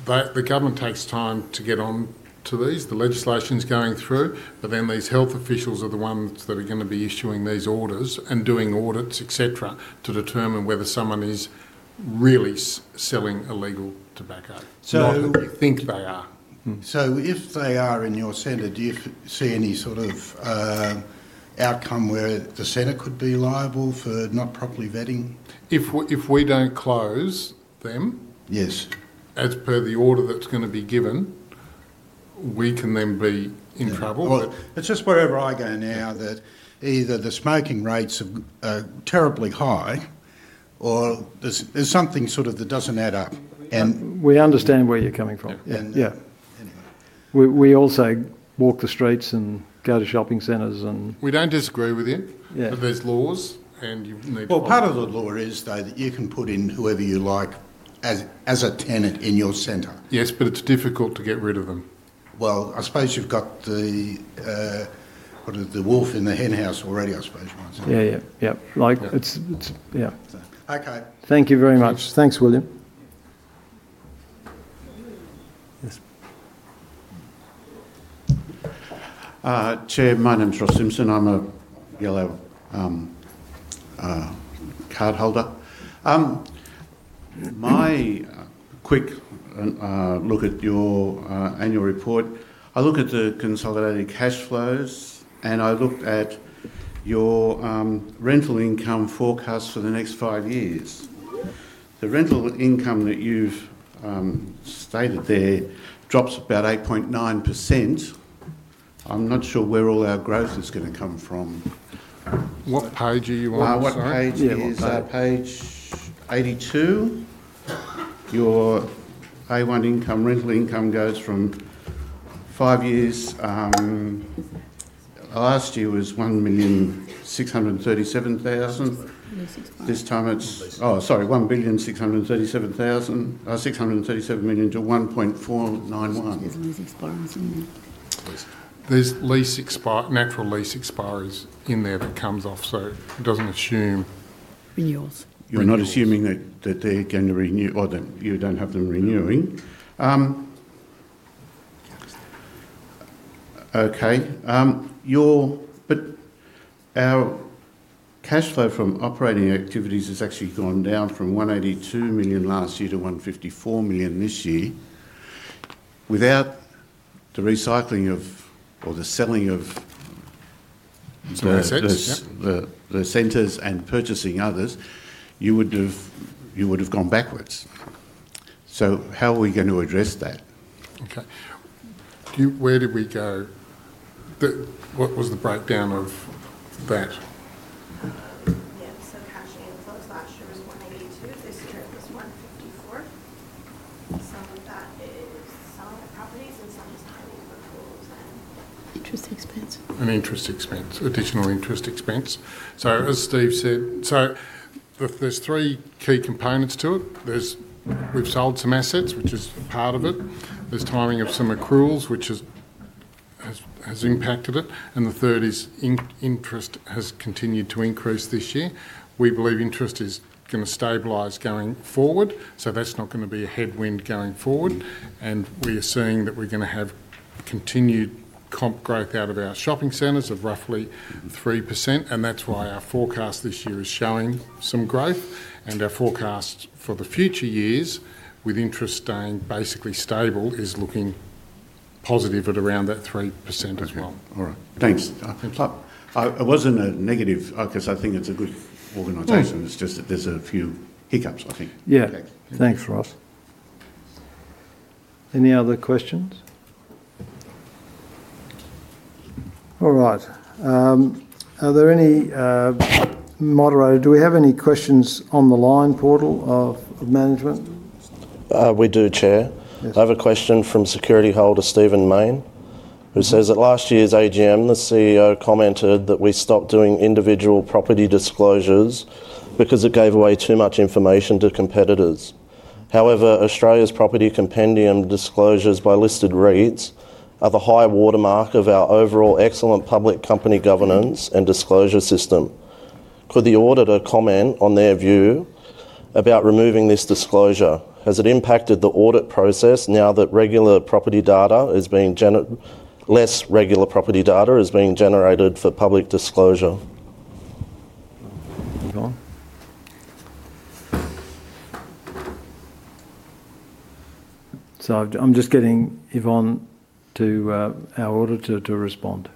The government takes time to get on to these. The legislation's going through, but these health officials are the ones that are going to be issuing these orders and doing audits, etc., to determine whether someone is really selling illegal tobacco. So. Not who we think they are. If they are in your center, do you see any sort of outcome where the center could be liable for not properly vetting? If we don't close them. Yes. As per the order that's going to be given, we can then be in trouble. It's just wherever I go now that either the smoking rates are terribly high, or there's something sort of that doesn't add up. We understand where you're coming from. Yeah, we also walk the streets and go to shopping centers. We don't disagree with you. Yeah. There are laws and you need to. Part of the law is though that you can put in whoever you like as a tenant in your center. Yes, but it's difficult to get rid of them. I suppose you've got the, what is it, the wolf in the hen house already, I suppose you might say. Yeah, yeah. Like it's, yeah. Okay. Thank you very much. Thanks, William. Yes? Chair, my name's Ross Simpson. I'm a yellow card holder. My quick look at your annual report, I look at the consolidated cash flows and I looked at your rental income forecast for the next five years. The rental income that you've stated there drops about 8.9%. I'm not sure where all our growth is going to come from. What page are you on? What page? Is that page 82? Your A1 income, rental income goes from five years. Last year was 1,637 million. This time it's, oh, sorry, 1,637 million to 1,491 million. Their lease expires. There's natural lease expires in there that comes off, so it doesn't assume. Renewals. You're not assuming that they're going to renew or that you don't have them renewing. Okay. Our cash flow from operating activities has actually gone down from 182 million last year to 154 million this year. Without the recycling of or the selling of. The assets. The centers and purchasing others, you would have gone backwards. How are we going to address that? Okay. Where did we go? What was the breakdown of that? Yeah. Cash inflows last year was AUD 182 million. This year it was AUD 154 million. Some of that is selling properties and some is hiring workforce. Interest expense. An interest expense, additional interest expense. As Steve said, there are three key components to it. We've sold some assets, which is part of it. There's timing of some accruals, which has impacted it. The third is interest has continued to increase this year. We believe interest is going to stabilize going forward. That's not going to be a headwind going forward. We are seeing that we're going to have continued comp growth out of our shopping centers of roughly 3%. That's why our forecast this year is showing some growth. Our forecast for the future years, with interest staying basically stable, is looking positive at around that 3% as well. All right. Thanks. It wasn't a negative focus. I think it's a good organization. It's just that there's a few hiccups, I think. Yeah. Thanks, Ross. Any other questions? All right. Are there any, moderator? Do we have any questions on the line portal of management? We do, Chair. Yes. I have a question from security holder Stephen Main, who says that at last year's AGM, the CEO commented that we stopped doing individual property disclosures because it gave away too much information to competitors. However, Australia's property compendium disclosures by listed REITs are the high watermark of our overall excellent public company governance and disclosure system. Could the auditor comment on their view about removing this disclosure? Has it impacted the audit process now that less regular property data is being generated for public disclosure? Yvonne, I'm just getting Yvonne to our auditor to respond.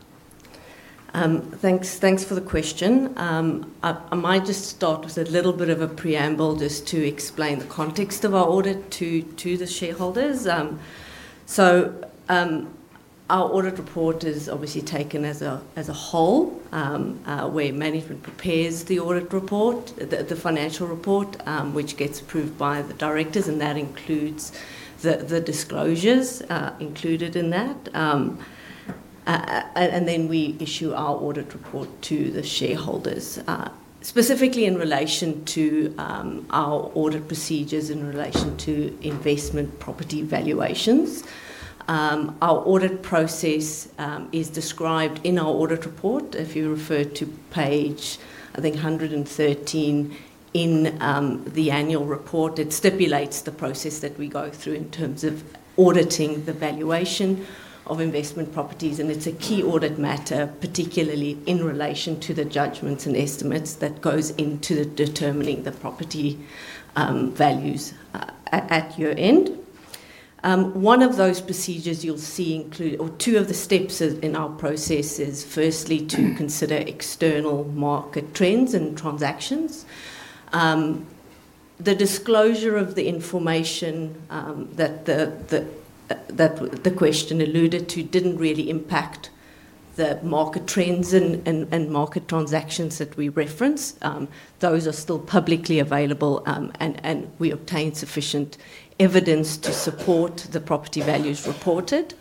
Thanks for the question. I might just start with a little bit of a preamble just to explain the context of our audit to the shareholders. Our audit report is obviously taken as a whole, where management prepares the audit report, the financial report, which gets approved by the directors, and that includes the disclosures included in that. We issue our audit report to the shareholders, specifically in relation to our audit procedures in relation to investment property valuations. Our audit process is described in our audit report. If you refer to page, I think, 113 in the annual report, it stipulates the process that we go through in terms of auditing the valuation of investment properties. It's a key audit matter, particularly in relation to the judgments and estimates that go into determining the property values at your end. One of those procedures you'll see include, or two of the steps in our process is firstly to consider external market trends and transactions. The disclosure of the information that the question alluded to didn't really impact the market trends and market transactions that we referenced. Those are still publicly available, and we obtained sufficient evidence to support the property values reported.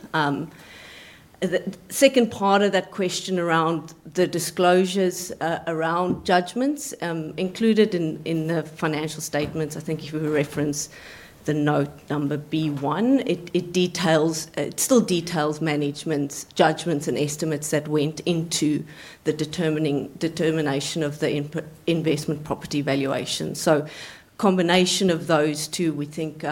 The second part of that question around the disclosures around judgments included in the financial statements, I think if you reference the note number B1, it still details management's judgments and estimates that went into the determination of the investment property valuation. A combination of those two, we think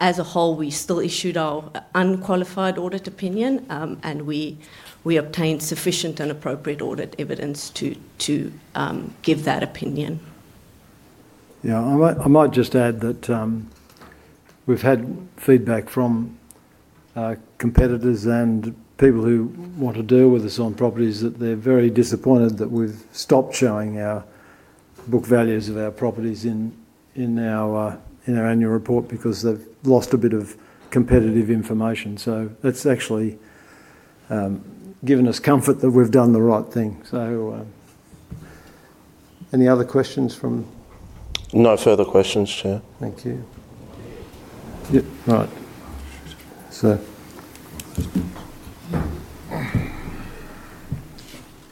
as a whole, we still issued our unqualified audit opinion, and we obtained sufficient and appropriate audit evidence to give that opinion. I might just add that we've had feedback from competitors and people who want to deal with us on properties that they're very disappointed that we've stopped showing our book values of our properties in our annual report because they've lost a bit of competitive information. That's actually given us comfort that we've done the right thing. Any other questions from? No further questions, Chair. Thank you. Yeah. All right.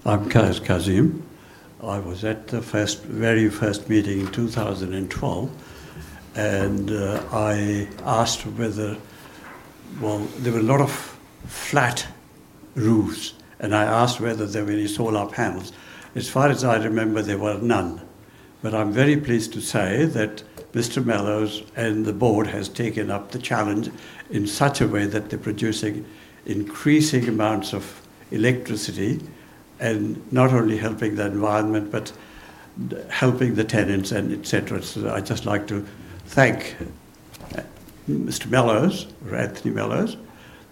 I'm Cas Kazim. I was at the very first meeting in 2012, and I asked whether, well, there were a lot of flat roofs, and I asked whether there were any solar panels. As far as I remember, there were none. I'm very pleased to say that Mr. Mellowes and the board have taken up the challenge in such a way that they're producing increasing amounts of electricity and not only helping the environment but helping the tenants and etc. I'd just like to thank Mr. Mellowes, or Anthony Mellowes,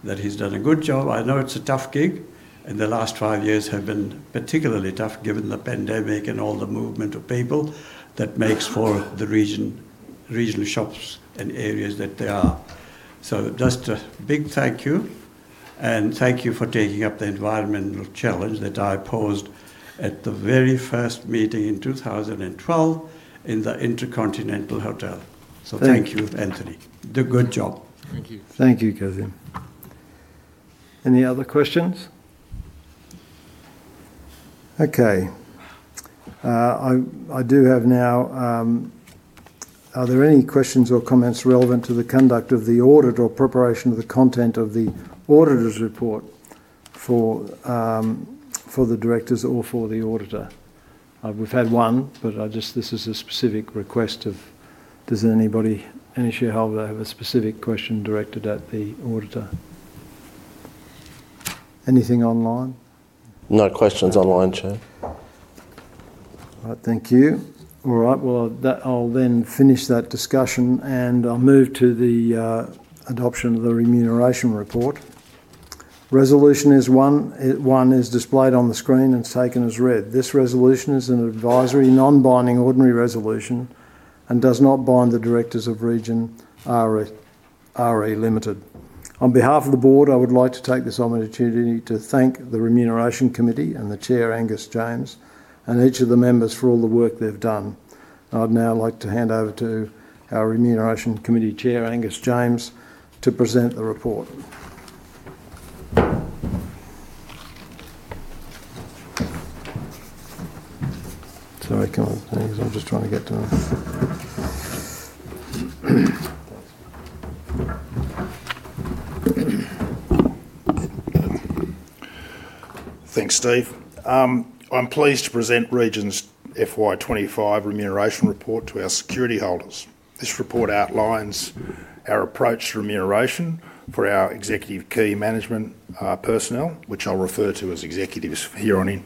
that he's done a good job. I know it's a tough gig, and the last five years have been particularly tough given the pandemic and all the movement of people that makes for the region, regional shops and areas that they are. Just a big thank you, and thank you for taking up the environmental challenge that I posed at the very first meeting in 2012 in the InterContinental Hotel. Thank you, Anthony. The good job. Thank you. Thank you, Kazim. Any other questions? Okay. Are there any questions or comments relevant to the conduct of the audit or preparation of the content of the auditor's report for the directors or for the auditor? We've had one, but this is a specific request. Does anybody, any shareholder, have a specific question directed at the auditor? Anything online? No questions online, Chair. All right. Thank you. All right. I'll then finish that discussion, and I'll move to the adoption of the remuneration report. Resolution one is displayed on the screen and is taken as read. This resolution is an advisory, non-binding ordinary resolution and does not bind the directors of Region. On behalf of the board, I would like to take this opportunity to thank the Remuneration Committee and the Chair, Angus James, and each of the members for all the work they've done. I'd now like to hand over to our Remuneration Committee Chair, Angus James, to present the report. Sorry, can I? I'm just trying to get to. Thanks, Steve. I'm pleased to present Region's FY 2025 remuneration report to our security holders. This report outlines our approach to remuneration for our executive key management personnel, which I'll refer to as executives here on in.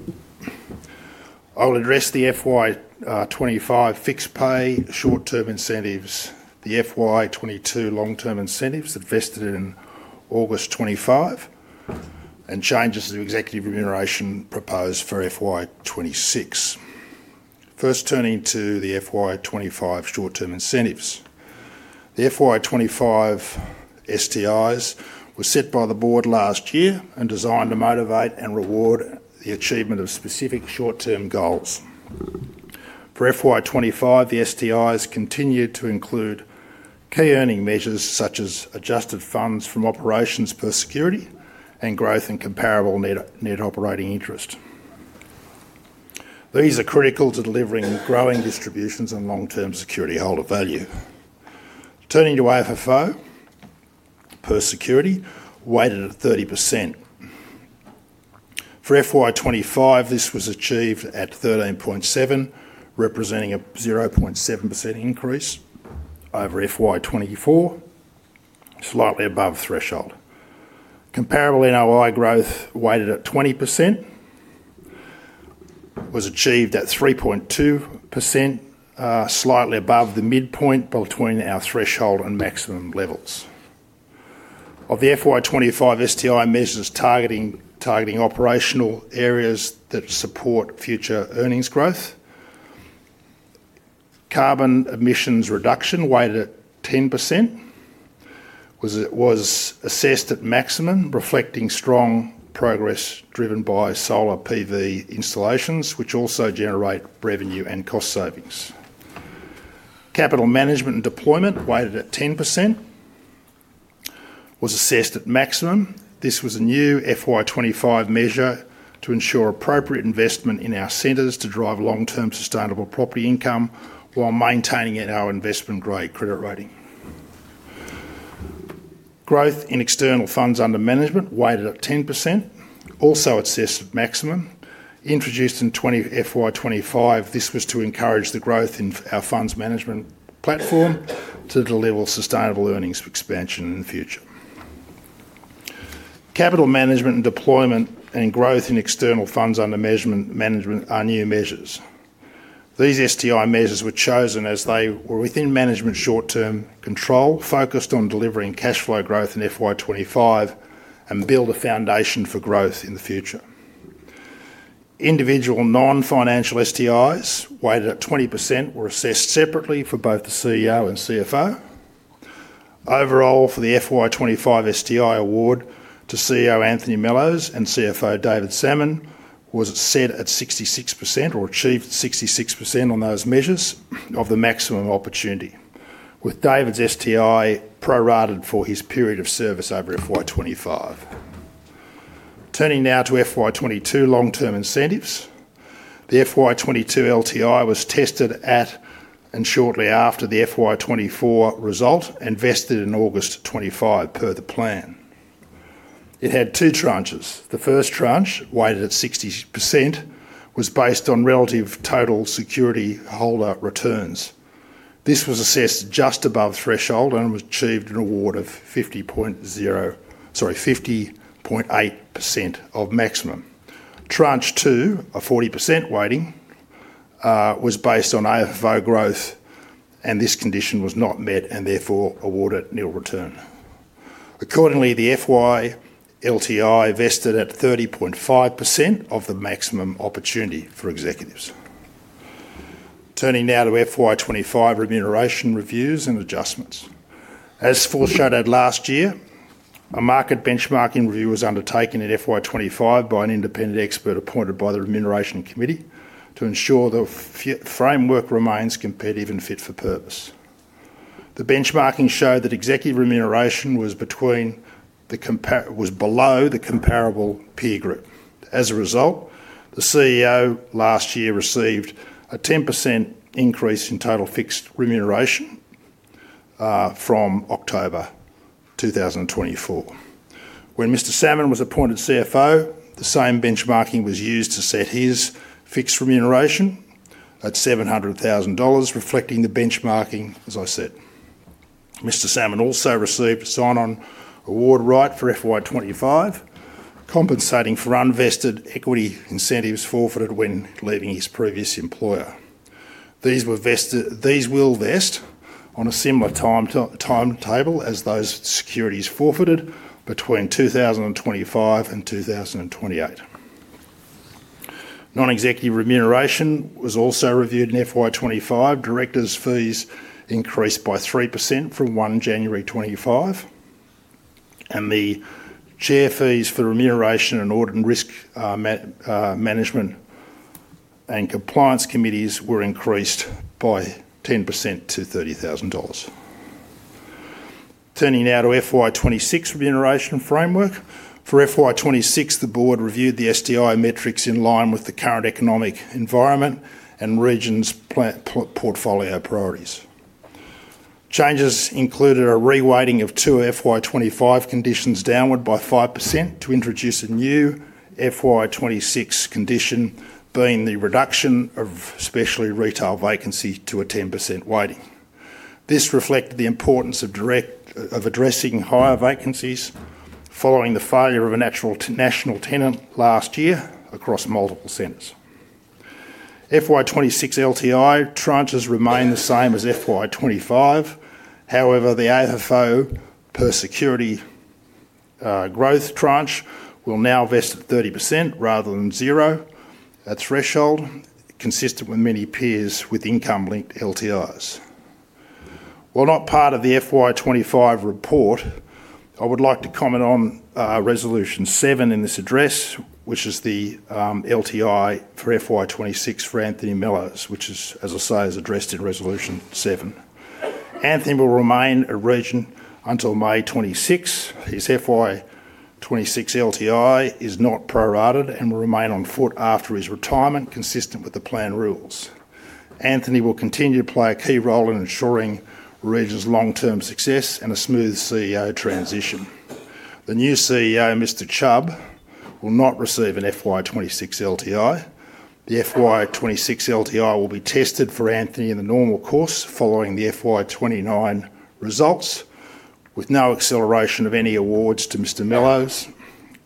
I'll address the FY 2025 fixed pay, short-term incentives, the FY 2022 long-term incentives that are vested in August 2025, and changes to executive remuneration proposed for FY 2026. First, turning to the FY 2025 short-term incentives. The FY 2025 STIs were set by the board last year and designed to motivate and reward the achievement of specific short-term goals. For FY 2025, the STIs continue to include key earning measures such as adjusted funds from operations per security and growth in comparable net operating interests. These are critical to delivering growing distributions and long-term security holder value. Turning to AFFO per security weighted at 30%. For FY 2025, this was achieved at 30.7%, representing a 0.7% increase over FY 2024, slightly above threshold. Comparable NOI growth weighted at 20% was achieved at 3.2%, slightly above the midpoint between our threshold and maximum levels. Of the FY 2025 STI measures targeting operational areas that support future earnings growth, carbon emissions reduction weighted at 10% was assessed at maximum, reflecting strong progress driven by solar PV installations, which also generate revenue and cost savings. Capital management and deployment weighted at 10% was assessed at maximum. This was a new FY 2025 measure to ensure appropriate investment in our centers to drive long-term sustainable property income while maintaining our investment grade credit rating. Growth in external funds under management weighted at 10% also assessed at maximum. Introduced in FY 2025, this was to encourage the growth in our funds management platform to deliver sustainable earnings expansion in the future. Capital management and deployment and growth in external funds under management are new measures. These STI measures were chosen as they were within management short-term control, focused on delivering cash flow growth in FY 2025 and build a foundation for growth in the future. Individual non-financial STIs weighted at 20% were assessed separately for both the CEO and CFO. Overall, for the FY 2025 STI award to CEO Anthony Mellowes and CFO David Salmon, it was set at 66% or achieved 66% on those measures of the maximum opportunity, with David's STI pro-rated for his period of service over FY 2025. Turning now to FY 2022 long-term incentives, the FY 2022 LTI was tested at and shortly after the FY 2024 result and vested in August 25 per the plan. It had two tranches. The first tranche, weighted at 60%, was based on relative total security holder returns. This was assessed just above threshold and was achieved an award of 50.8% of maximum. Tranche two, a 40% weighting, was based on AFFO growth, and this condition was not met and therefore awarded at nil return. Accordingly, the FY LTI vested at 30.5% of the maximum opportunity for executives. Turning now to FY 2025 remuneration reviews and adjustments. As foreshadowed last year, a market benchmarking review was undertaken in FY 2025 by an independent expert appointed by the Remuneration Committee to ensure the framework remains competitive and fit for purpose. The benchmarking showed that executive remuneration was below the comparable peer group. As a result, the CEO last year received a 10% increase in total fixed remuneration from October 2024. When Mr. Salmon was appointed CFO, the same benchmarking was used to set his fixed remuneration at 700,000 dollars, reflecting the benchmarking, as I said. Mr. Salmon also received a sign-on award right for FY 2025 compensating for unvested equity incentives forfeited when leaving his previous employer. These will vest on a similar timetable as those securities forfeited between 2025 and 2028. Non-executive remuneration was also reviewed in FY 2025. Directors' fees increased by 3% from 1 January, 2025, and the Chair fees for Remuneration and Audit and Risk Management and Compliance Committees were increased by 10% to 30,000 dollars. Turning now to FY 2026 remuneration framework. For FY 2026, the Board reviewed the STI metrics in line with the current economic environment. Region's plant portfolio priorities. Changes included a reweighting of two FY 2025 conditions downward by 5% to introduce a new FY 2026 condition, being the reduction of specialty retail vacancy to a 10% weighting. This reflected the importance of addressing higher vacancies following the failure of a national tenant last year across multiple centers. FY 2026 LTI tranches remain the same as FY 2025, however, the AFFO per security growth tranche will now vest at 30% rather than zero, a threshold consistent with many peers with income-linked LTIs. While not part of the FY 2025 report, I would like to comment on Resolution 7 in this address, which is the LTI for FY 2026 for Anthony Mellowes, which is, as I say, addressed in Resolution 7. Anthony will remain at Region Group until May 2026. His FY 2026 LTI is not prorated and will remain on foot after his retirement, consistent with the plan rules. Anthony will continue to play a key role in ensuring Region Group's long-term success and a smooth CEO transition. The new CEO, Mr. Chubb, will not receive an FY 2026 LTI. The FY 2026 LTI will be tested for Anthony in the normal course following the FY 2029 results, with no acceleration of any awards to Mr. Mellowes,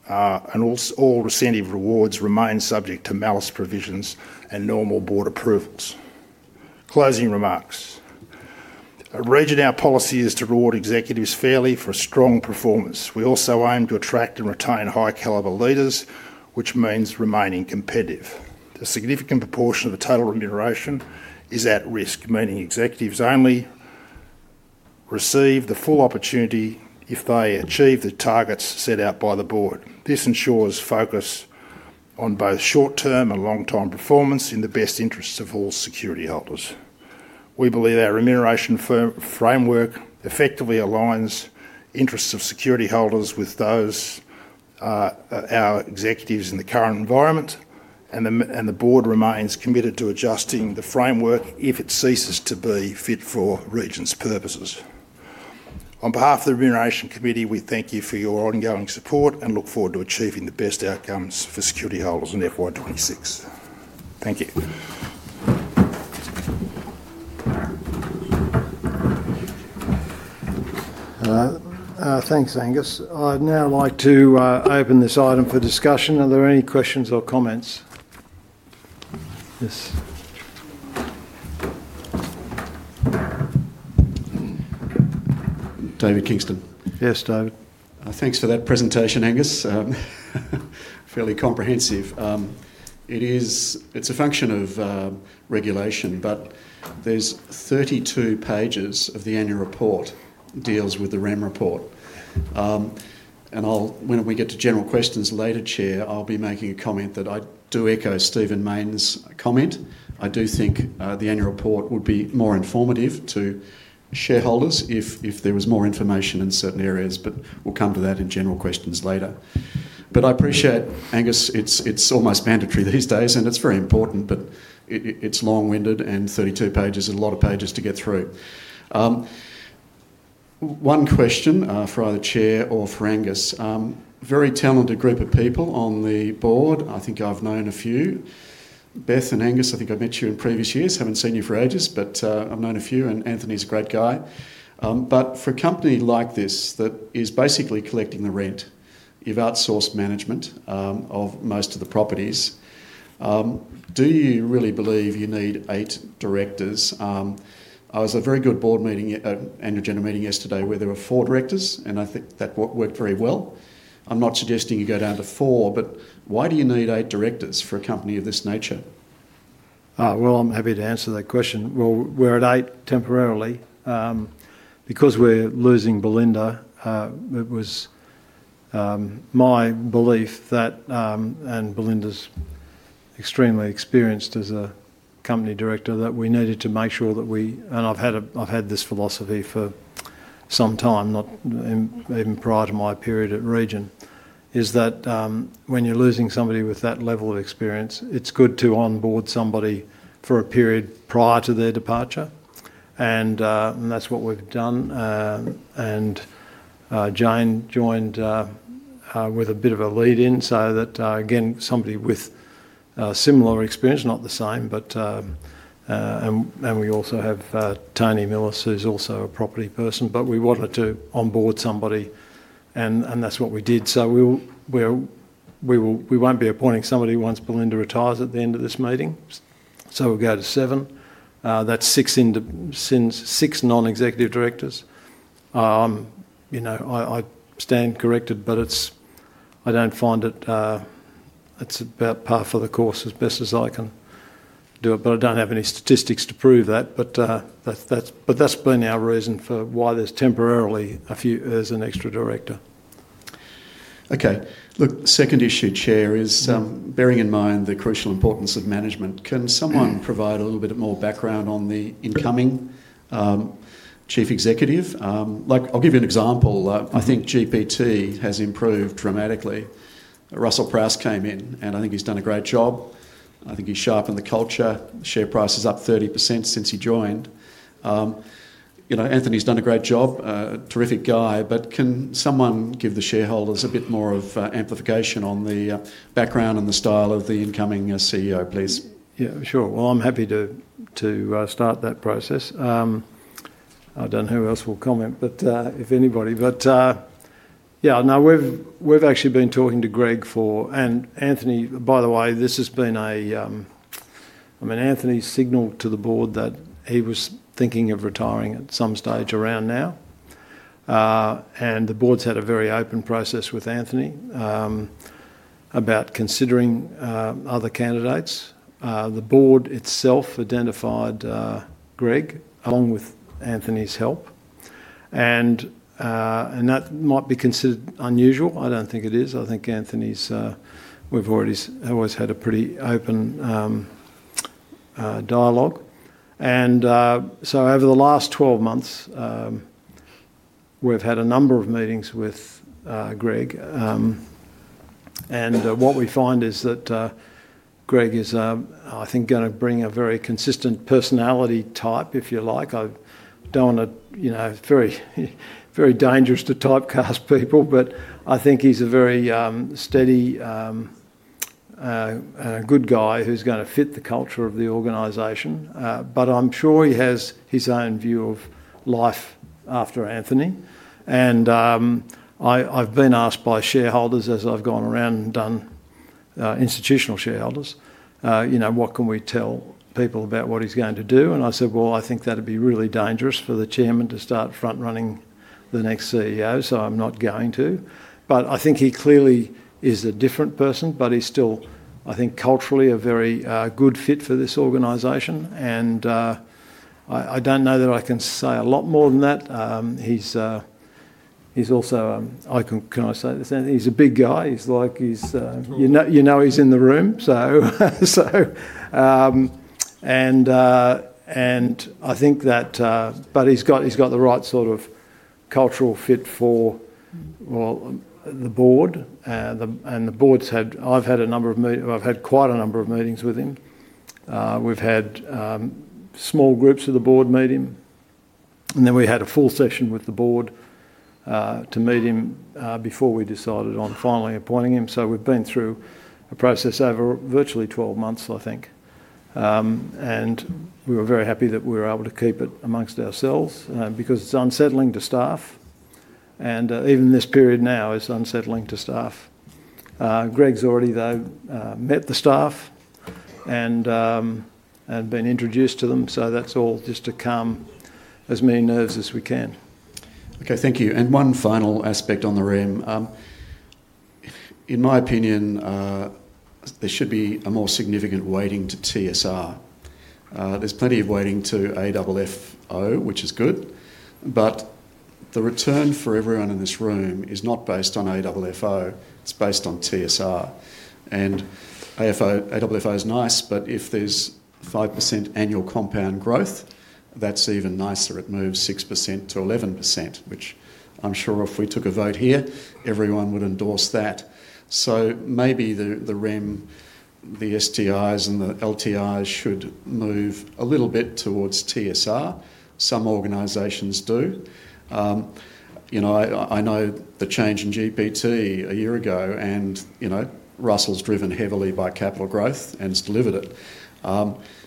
and all recidive rewards remain subject to malus provisions and normal board approvals. Closing remarks: At Region Group, our policy is to reward executives fairly for a strong performance. We also aim to attract and retain high-caliber leaders, which means remaining competitive. A significant proportion of the total remuneration is at risk, meaning executives only receive the full opportunity if they achieve the targets set out by the board. This ensures focus on both short-term and long-term performance in the best interests of all security holders. We believe our remuneration framework effectively aligns interests of security holders with those of our executives in the current environment, and the board remains committed to adjusting the framework if it ceases to be fit for Region's purposes. On behalf of the Remuneration Committee, we thank you for your ongoing support and look forward to achieving the best outcomes for security holders in FY 2026. Thank you. Thanks, Angus. I'd now like to open this item for discussion. Are there any questions or comments? Yes. David Kingston. Yes, David. Thanks for that presentation, Angus. Fairly comprehensive. It's a function of regulation, but there's 32 pages of the annual report that deal with the REM report. When we get to general questions later, Chair, I'll be making a comment that I do echo Stephen Main's comment. I do think the annual report would be more informative to shareholders if there was more information in certain areas, but we'll come to that in general questions later. I appreciate, Angus, it's almost mandatory these days, and it's very important, but it's long-winded and 32 pages and a lot of pages to get through. One question for either Chair or for Angus: very talented group of people on the board. I think I've known a few. Beth and Angus, I think I've met you in previous years. I haven't seen you for ages, but I've known a few, and Anthony's a great guy. For a company like this that is basically collecting the rent, you've outsourced management of most of the properties. Do you really believe you need eight directors? I was at a very good board meeting and your general meeting yesterday where there were four directors, and I think that worked very well. I'm not suggesting you go down to four, but why do you need eight directors for a company of this nature? I'm happy to answer that question. We're at eight temporarily because we're losing Belinda. It was my belief that, and Belinda's extremely experienced as a company director, that we needed to make sure that we, and I've had this philosophy for some time, not even prior to my period at Region, is that when you're losing somebody with that level of experience, it's good to onboard somebody for a period prior to their departure. That's what we've done. Jane joined with a bit of a lead-in so that, again, somebody with similar experience, not the same, but we also have Toni Milis, who's also a property person, but we wanted to onboard somebody, and that's what we did. We won't be appointing somebody once Belinda retires at the end of this meeting. We'll go to seven. That's six non-executive directors. I stand corrected, but I don't find it, it's about par for the course as best as I can do it, but I don't have any statistics to prove that. That's been our reason for why there's temporarily a few as an extra director. Okay. Look, the second issue, Chair, is bearing in mind the crucial importance of management, can someone provide a little bit more background on the incoming Chief Executive? Like, I'll give you an example. I think GPT has improved dramatically. Russell Price came in, and I think he's done a great job. I think he's sharpened the culture. The share price is up 30% since he joined. You know, Anthony's done a great job, terrific guy, but can someone give the shareholders a bit more of amplification on the background and the style of the incoming CEO, please? Yeah, sure. I'm happy to start that process. I don't know who else will comment, but we've actually been talking to Greg and Anthony. By the way, this has been a, I mean, Anthony signaled to the board that he was thinking of retiring at some stage around now. The board's had a very open process with Anthony about considering other candidates. The board itself identified Greg along with Anthony's help, and that might be considered unusual. I don't think it is. I think Anthony's, we've always had a pretty open dialogue. Over the last 12 months, we've had a number of meetings with Greg. What we find is that Greg is, I think, going to bring a very consistent personality type, if you like. I don't want to, you know, it's very dangerous to typecast people, but I think he's a very steady and a good guy who's going to fit the culture of the organization. I'm sure he has his own view of life after Anthony. I've been asked by shareholders, as I've gone around and done institutional shareholders, what can we tell people about what he's going to do? I said, I think that'd be really dangerous for the Chairman to start front-running the next CEO, so I'm not going to. I think he clearly is a different person, but he's still, I think, culturally a very good fit for this organization. I don't know that I can say a lot more than that. He's also, can I say this? He's a big guy. He's like, you know, he's in the room. I think that he's got the right sort of cultural fit for the board. The board's had, I've had a number of meetings, I've had quite a number of meetings with him. We've had small groups of the board meet him. We had a full session with the board to meet him before we decided on finally appointing him. We've been through a process over virtually 12 months, I think. We were very happy that we were able to keep it amongst ourselves because it's unsettling to staff. Even this period now is unsettling to staff. Greg's already, though, met the staff and been introduced to them. That's all just to calm as many nerves as we can. Okay, thank you. One final aspect on the REM. In my opinion, there should be a more significant weighting to TSR. There's plenty of weighting to AFFO, which is good. The return for everyone in this room is not based on AFFO. It's based on TSR. AFFO is nice, but if there's 5% annual compound growth, that's even nicer. It moves 6% to 11%, which I'm sure if we took a vote here, everyone would endorse that. Maybe the REM, the STIs, and the LTIs should move a little bit towards TSR. Some organizations do. I know the change in GPT a year ago, and Russell's driven heavily by capital growth and has delivered it.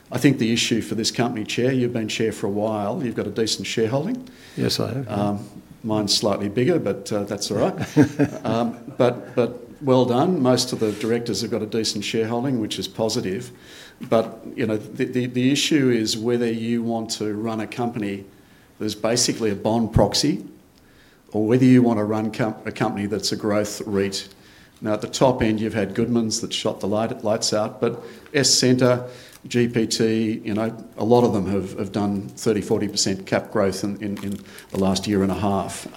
I think the issue for this company, Chair, you've been Chair for a while. You've got a decent shareholding. Yes, I have. Mine's slightly bigger, but that's all right. Most of the directors have got a decent shareholding, which is positive. You know, the issue is whether you want to run a company that is basically a bond proxy or whether you want to run a company that's a growth REIT. At the top end, you've had Goodman's that shot the lights out, but Essenther, GPT, a lot of them have done 30%, 40% cap growth in the last year and a half.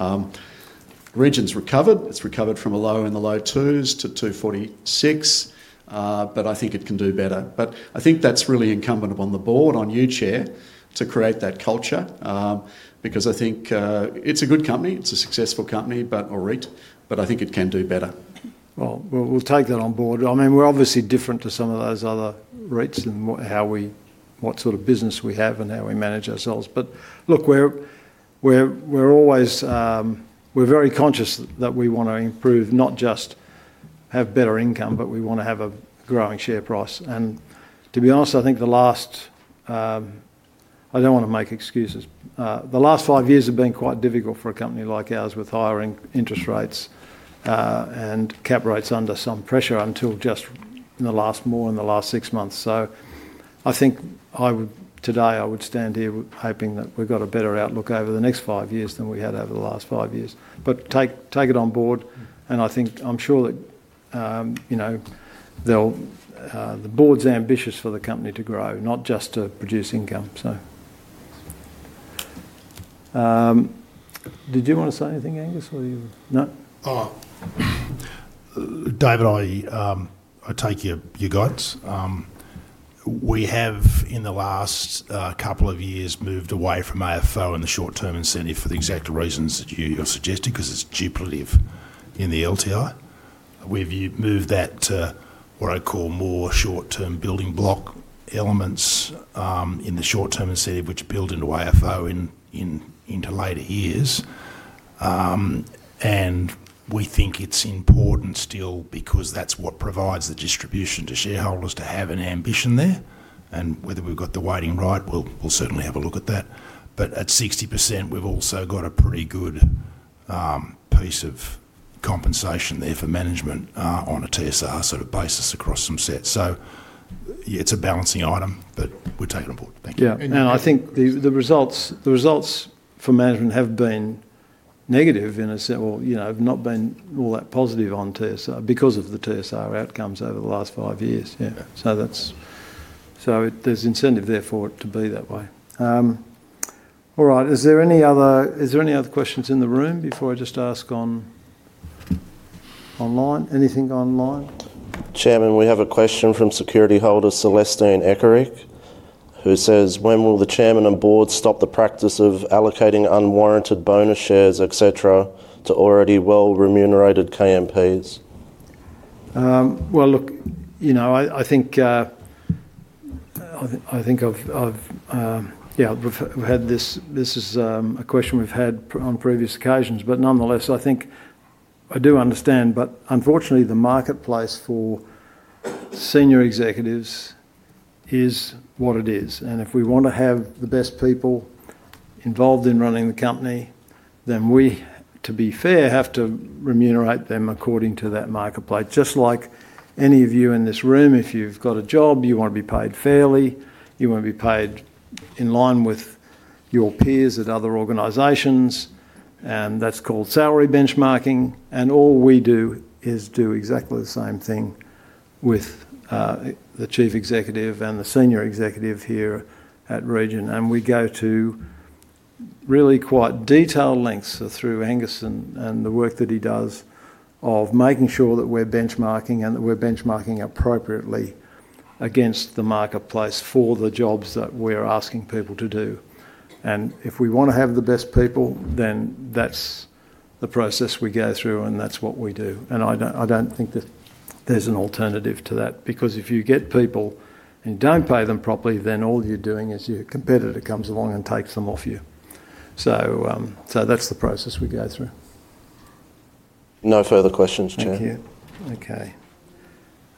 Region's recovered. It's recovered from a low in the low 2s to 2.46, but I think it can do better. I think that's really incumbent upon the board, on you, Chair, to create that culture because I think it's a good company. It's a successful company, a REIT, but I think it can do better. We'll take that on board. I mean, we're obviously different to some of those other REITs and what sort of business we have and how we manage ourselves. We're always, we're very conscious that we want to improve, not just have better income, but we want to have a growing share price. To be honest, I think the last, I don't want to make excuses. The last five years have been quite difficult for a company like ours with higher interest rates and cap rates under some pressure until just in the last, more in the last six months. I think I would, today, I would stand here hoping that we've got a better outlook over the next five years than we had over the last five years. Take it on board. I'm sure that, you know, the board's ambitious for the company to grow, not just to produce income. Did you want to say anything, Angus, or are you? David, I take your guidance. We have, in the last couple of years, moved away from AFFO and the short-term incentive for the exact reasons that you suggested because it's duplicative in the LTI. We've moved that to what I call more short-term building block elements in the short-term incentive, which build into AFFO into later years. We think it's important still because that's what provides the distribution to shareholders to have an ambition there. Whether we've got the weighting right, we'll certainly have a look at that. At 60%, we've also got a pretty good piece of compensation there for management on a TSR sort of basis across some sets. It's a balancing item, but we take it on board. I think the results for management have been negative in a sense, you know, not been all that positive on TSR because of the TSR outcomes over the last five years. There's incentive there for it to be that way. All right, is there any other questions in the room before I just ask online? Anything online? Chairman, we have a question from security holder Celestine Ekerik, who says, when will the Chairman and Board stop the practice of allocating unwarranted bonus shares, etc., to already well-remunerated KMPs? I think we've had this question on previous occasions, but nonetheless, I do understand. Unfortunately, the marketplace for senior executives is what it is. If we want to have the best people involved in running the company, then we, to be fair, have to remunerate them according to that marketplace. Just like any of you in this room, if you've got a job, you want to be paid fairly, you want to be paid in line with your peers at other organizations, and that's called salary benchmarking. All we do is do exactly the same thing with the Chief Executive and the senior executive here at Region Group. We go to really quite detailed lengths through Angus and the work that he does of making sure that we're benchmarking and that we're benchmarking appropriately against the marketplace for the jobs that we're asking people to do. If we want to have the best people, then that's the process we go through and that's what we do. I don't think that there's an alternative to that because if you get people and you don't pay them properly, then all you're doing is your competitor comes along and takes them off you. That's the process we go through. No further questions, Chair. Thank you. Okay.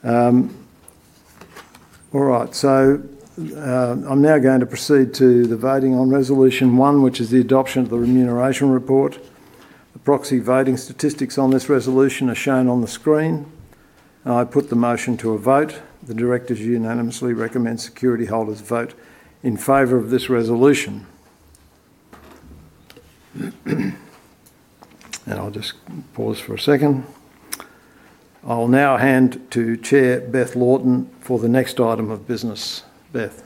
All right, I'm now going to proceed to the voting on Resolution 1, which is the adoption of the remuneration report. The proxy voting statistics on this resolution are shown on the screen. I put the motion to a vote. The directors unanimously recommend security holders vote in favor of this resolution. I'll just pause for a second. I'll now hand to Chair Beth Laughton for the next item of business. Beth.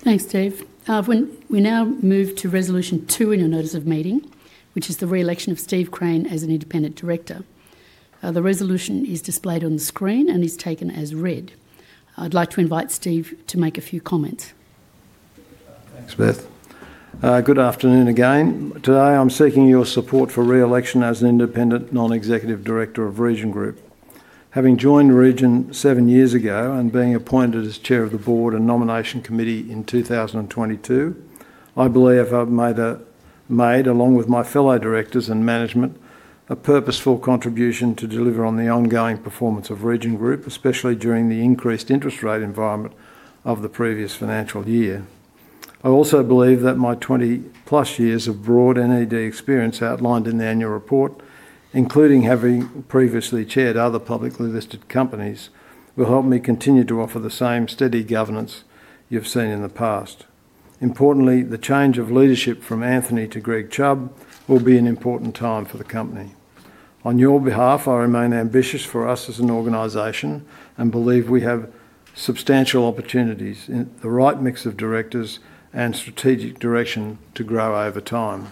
Thanks, Steve. We now move to Resolution 2 in your notice of meeting, which is the reelection of Steven Crane as an Independent Director. The resolution is displayed on the screen and is taken as read. I'd like to invite Steve to make a few comments. Thanks, Beth. Good afternoon again. Today, I'm seeking your support for reelection as an independent non-executive director of Region Group. Having joined Region seven years ago and being appointed as Chair of the Board and Nomination Committee in 2022, I believe I've made, along with my fellow directors and management, a purposeful contribution to deliver on the ongoing performance of Region Group, especially during the increased interest rate environment of the previous financial year. I also believe that my 20+ years of broad NED experience outlined in the annual report, including having previously chaired other publicly listed companies, will help me continue to offer the same steady governance you've seen in the past. Importantly, the change of leadership from Anthony to Greg Chubb will be an important time for the company. On your behalf, I remain ambitious for us as an organization and believe we have substantial opportunities in the right mix of directors and strategic direction to grow over time.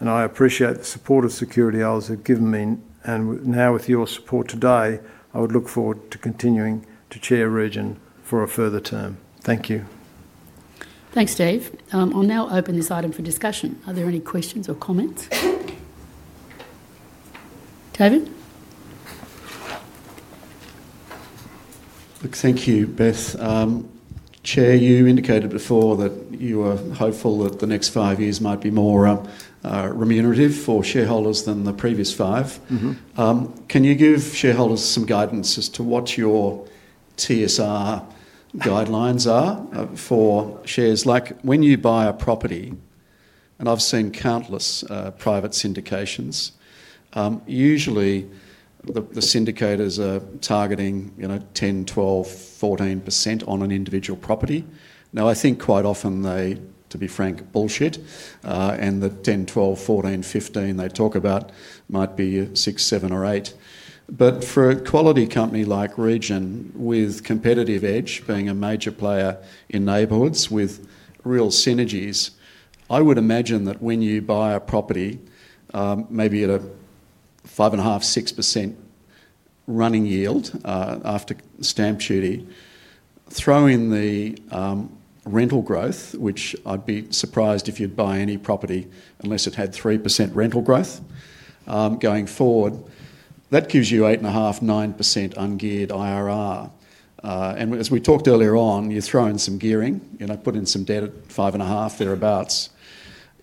I appreciate the support of security holders who've given me, and now with your support today, I would look forward to continuing to chair Region for a further term. Thank you. Thanks, Steve. I'll now open this item for discussion. Are there any questions or comments? David? Thank you, Beth. Chair, you indicated before that you were hopeful that the next five years might be more remunerative for shareholders than the previous five. Can you give shareholders some guidance as to what your TSR guidelines are for shares? Like when you buy a property, and I've seen countless private syndications, usually the syndicators are targeting, you know, 10%, 12%, 14% on an individual property. Now, I think quite often they, to be frank, bullshit. The 10%, 12%, 14%, 15% they talk about might be a 6%, 7%, or 8%. For a quality company like Region with competitive edge, being a major player in neighborhoods with real synergies, I would imagine that when you buy a property, maybe at a 5.5%, 6% running yield after stamp duty, throw in the rental growth, which I'd be surprised if you'd buy any property unless it had 3% rental growth going forward, that gives you 8.5%, 9% ungeared IRR. As we talked earlier on, you throw in some gearing, you know, put in some debt at 5.5%, thereabouts,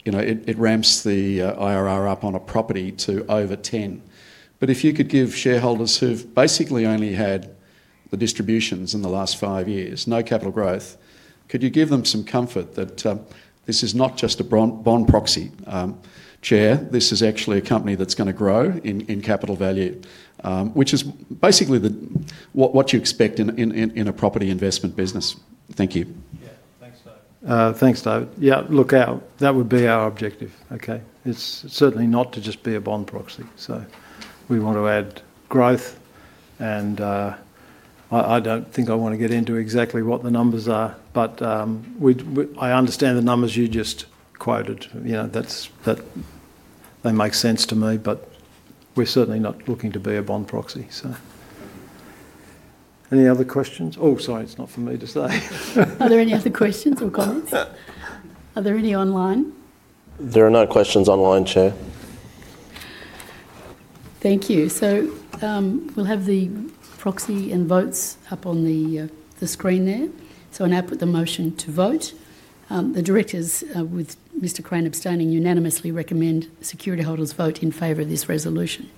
it ramps the IRR up on a property to over 10%. If you could give shareholders who've basically only had the distributions in the last five years, no capital growth, could you give them some comfort that this is not just a bond proxy, Chair? This is actually a company that's going to grow in capital value, which is basically what you expect in a property investment business. Thank you. Thanks, David. Yeah, look, that would be our objective, okay? It's certainly not to just be a bond proxy. We want to add growth, and I don't think I want to get into exactly what the numbers are, but I understand the numbers you just quoted. That makes sense to me, but we're certainly not looking to be a bond proxy. Any other questions? Sorry, it's not for me to say. Are there any other questions or comments? Are there any online? There are no questions online, Chair. Thank you. We'll have the proxy and votes up on the screen there. I'll now put the motion to vote. The Directors, with Mr. Crane abstaining, unanimously recommend security holders vote in favor of this resolution.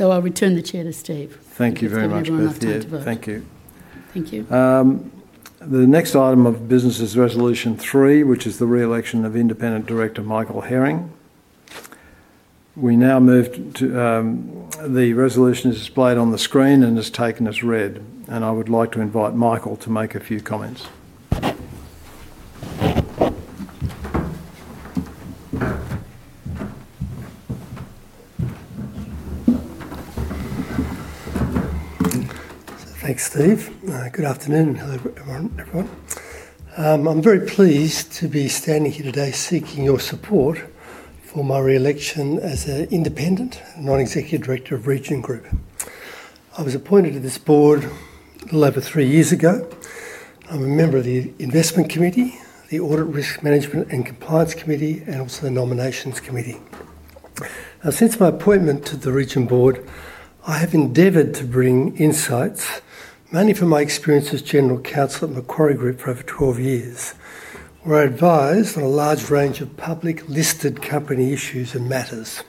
I'll return the chair to Steven. Thank you very much, Beth. Thank you. Thank you. The next item of business is Resolution 3, which is the reelection of independent Director Michael Herring. We now move to the resolution displayed on the screen and it is taken as read. I would like to invite Michael to make a few comments. Thanks, Steve. Good afternoon. Hello everyone. I'm very pleased to be standing here today seeking your support for my reelection as an independent non-executive director of Region Group. I was appointed to this board a little over three years ago. I'm a member of the Investment Committee, the Audit Risk Management and Compliance Committee, and also the Nominations Committee. Since my appointment to the Region board, I have endeavored to bring insights, mainly from my experience as General Counsel at Macquarie Group for over 12 years, where I advised on a large range of public listed company issues and matters,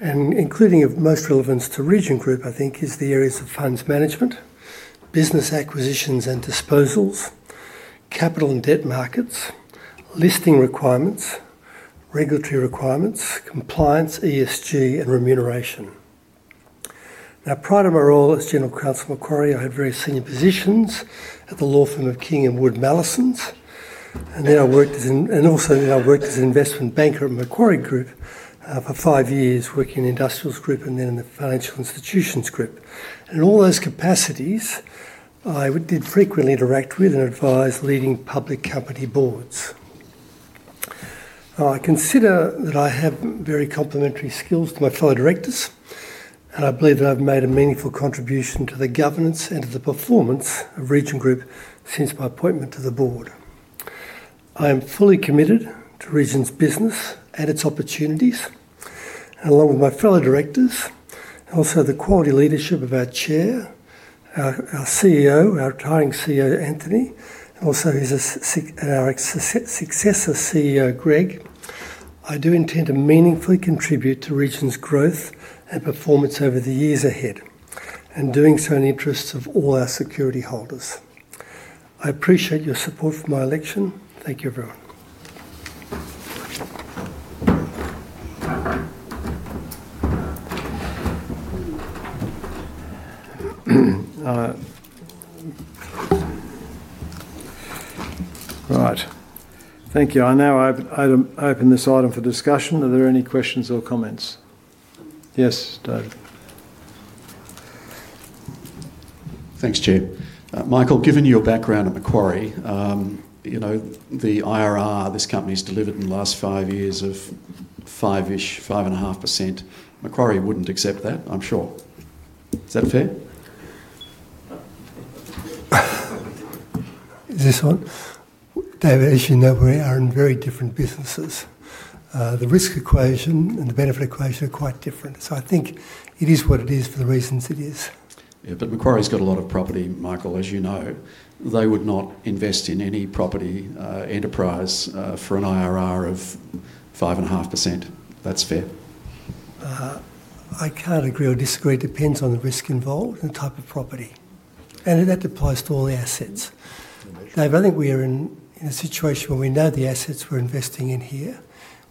including, of most relevance to Region Group, the areas of funds management, business acquisitions and disposals, capital and debt markets, listing requirements, regulatory requirements, compliance, ESG, and remuneration. Prior to my role as General Counsel at Macquarie, I had various senior positions at the law firm of King & Wood Mallesons. I worked as an investment banker at Macquarie Group for five years, working in the Industrials Group and then in the Financial Institutions Group. In all those capacities, I did frequently interact with and advise leading public company boards. I consider that I have very complementary skills to my fellow directors, and I believe that I've made a meaningful contribution to the governance and to the performance of Region Group since my appointment to the board. I am fully committed to Region's business and its opportunities, and along with my fellow directors, and also the quality leadership of our Chair, our CEO, our retiring CEO, Anthony, and also his successor CEO, Greg, I do intend to meaningfully contribute to Region's growth and performance over the years ahead, and doing so in the interests of all our security holders. I appreciate your support for my election. Thank you, everyone. All right. Thank you. I now open this item for discussion. Are there any questions or comments? Yes, David. Thanks, Chair. Michael, given your background at Macquarie, you know, the IRR this company has delivered in the last five years of 5%, 5.5%, Macquarie wouldn't accept that, I'm sure. Is that fair? Is this on? David, as you know, we are in very different businesses. The risk equation and the benefit equation are quite different. I think it is what it is for the reasons it is. Macquarie has got a lot of property, Michael, as you know. They would not invest in any property enterprise for an IRR of 5.5%. That's fair. I can't agree or disagree. It depends on the risk involved and the type of property. That applies to all the assets. David, I think we are in a situation where we know the assets we're investing in here.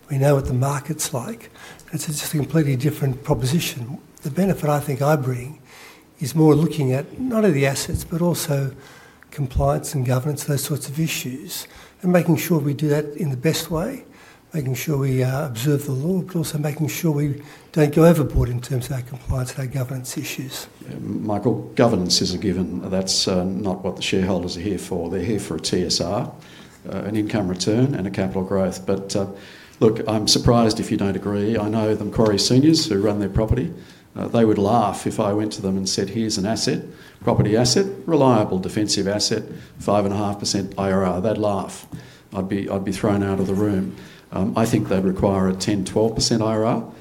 We know what the market's like. It's just a completely different proposition. The benefit I think I bring is more looking at not only the assets, but also compliance and governance, those sorts of issues, making sure we do that in the best way, making sure we observe the law, but also making sure we don't go overboard in terms of our compliance and our governance issues. Michael, governance is a given. That's not what the shareholders are here for. They're here for a TSR, an income return, and a capital growth. Look, I'm surprised if you don't agree. I know the Macquarie seniors who run their property. They would laugh if I went to them and said, "Here's an asset, property asset, reliable defensive asset, 5.5% IRR." They'd laugh. I'd be thrown out of the room. I think they'd require a 10%, 12% IRR.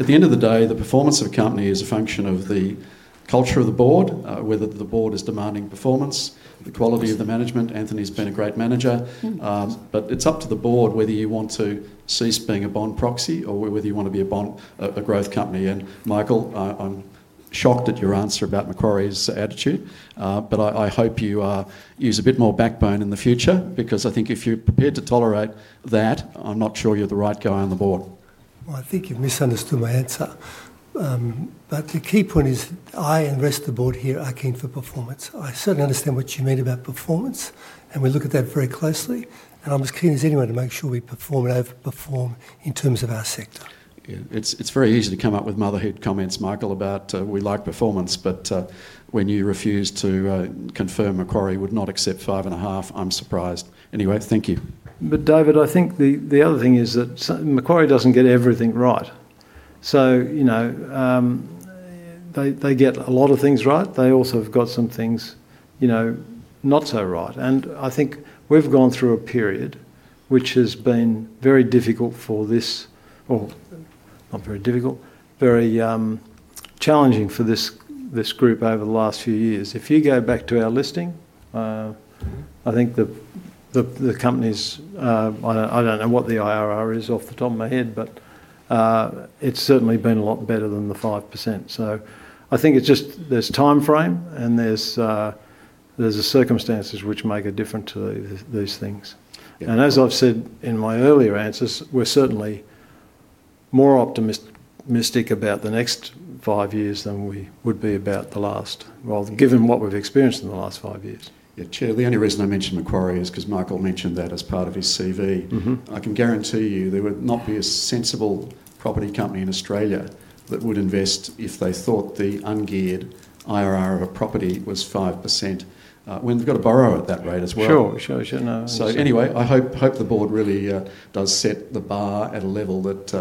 At the end of the day, the performance of a company is a function of the culture of the board, whether the board is demanding performance, the quality of the management. Anthony's been a great manager. It's up to the board whether you want to cease being a bond proxy or whether you want to be a growth company. Michael, I'm shocked at your answer about Macquarie's attitude, but I hope you use a bit more backbone in the future because I think if you're prepared to tolerate that, I'm not sure you're the right guy on the board. I think you've misunderstood my answer. The key point is that I and the rest of the board here are keen for performance. I certainly understand what you mean about performance, and we look at that very closely. I'm as keen as anyone to make sure we perform and overperform in terms of our sector. Yeah, it's very easy to come up with motherhood comments, Michael, about we like performance, but when you refuse to confirm Macquarie would not accept 5.5%, I'm surprised. Anyway, thank you. David, I think the other thing is that Macquarie doesn't get everything right. You know, they get a lot of things right. They also have got some things, you know, not so right. I think we've gone through a period which has been very difficult for this, or not very difficult, very challenging for this group over the last few years. If you go back to our listing, I think the company's, I don't know what the IRR is off the top of my head, but it's certainly been a lot better than the 5%. I think it's just there's timeframe and there's circumstances which make a difference to these things. As I've said in my earlier answers, we're certainly more optimistic about the next five years than we would be about the last, given what we've experienced in the last five years. Chair, the only reason I mentioned Macquarie is because Michael mentioned that as part of his CV. I can guarantee you there would not be a sensible property company in Australia that would invest if they thought the ungeared IRR of a property was 5% when they've got to borrow at that rate as well. Sure. I hope the board really does set the bar at a level that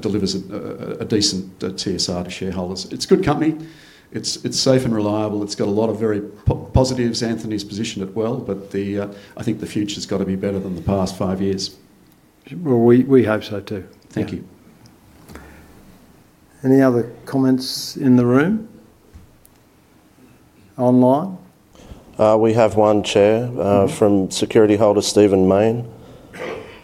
delivers a decent TSR to shareholders. It's a good company. It's safe and reliable. It's got a lot of very positives. Anthony's positioned it well, but I think the future's got to be better than the past five years. We hope so too. Thank you. Any other comments in the room? Online? We have one, Chair, from security holder Stephen Main.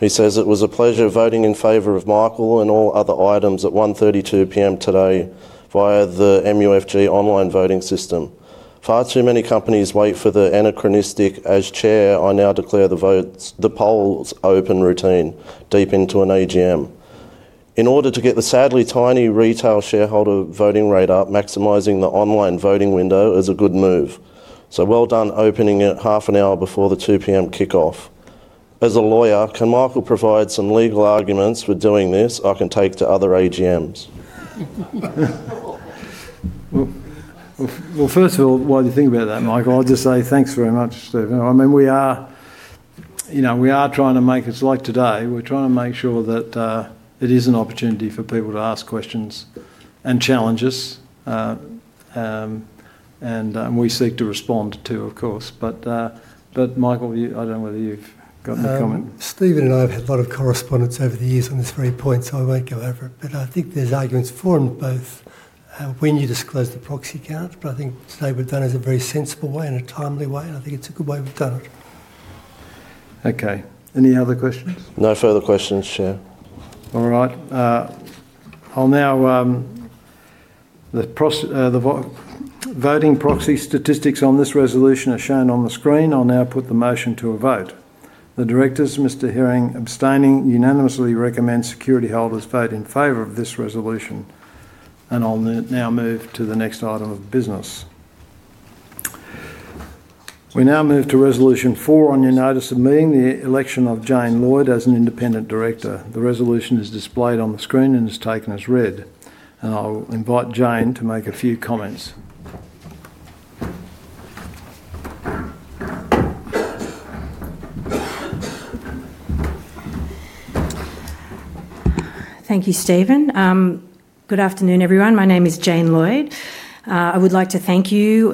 He says, "It was a pleasure voting in favor of Michael and all other items at 1:32 P.M. today via the MUFG Corporate Markets online voting system. Far too many companies wait for the anachronistic 'As Chair, I now declare the votes,' the polls open routine deep into an AGM. In order to get the sadly tiny retail shareholder voting rate up, maximizing the online voting window is a good move. Well done opening it half an hour before the 2:00 P.M. kickoff. As a lawyer, can Michael provide some legal arguments for doing this? I can take to other AGMs." Thank you very much, Steven. We are trying to make sure that today is an opportunity for people to ask questions and challenge us, and we seek to respond too, of course. Michael, I don't know whether you've got any comment. Steven and I have had a lot of correspondence over the years on this very point, so I won't go over it. I think there's arguments formed both when you disclose the proxy accounts. I think today we've done it in a very sensible way and a timely way, and I think it's a good way we've done it. Okay. Any other questions? No further questions, Chair. All right. The voting proxy statistics on this resolution are shown on the screen. I'll now put the motion to a vote. The directors, Mr. Herring abstaining, unanimously recommend security holders vote in favor of this resolution. I'll now move to the next item of business. We now move to Resolution 4 on your notice of meeting, the election of Jane Lloyd as an independent director. The resolution is displayed on the screen and is taken as read. I'll invite Jane to make a few comments. Thank you, Steven. Good afternoon, everyone. My name is Jane Lloyd. I would like to thank you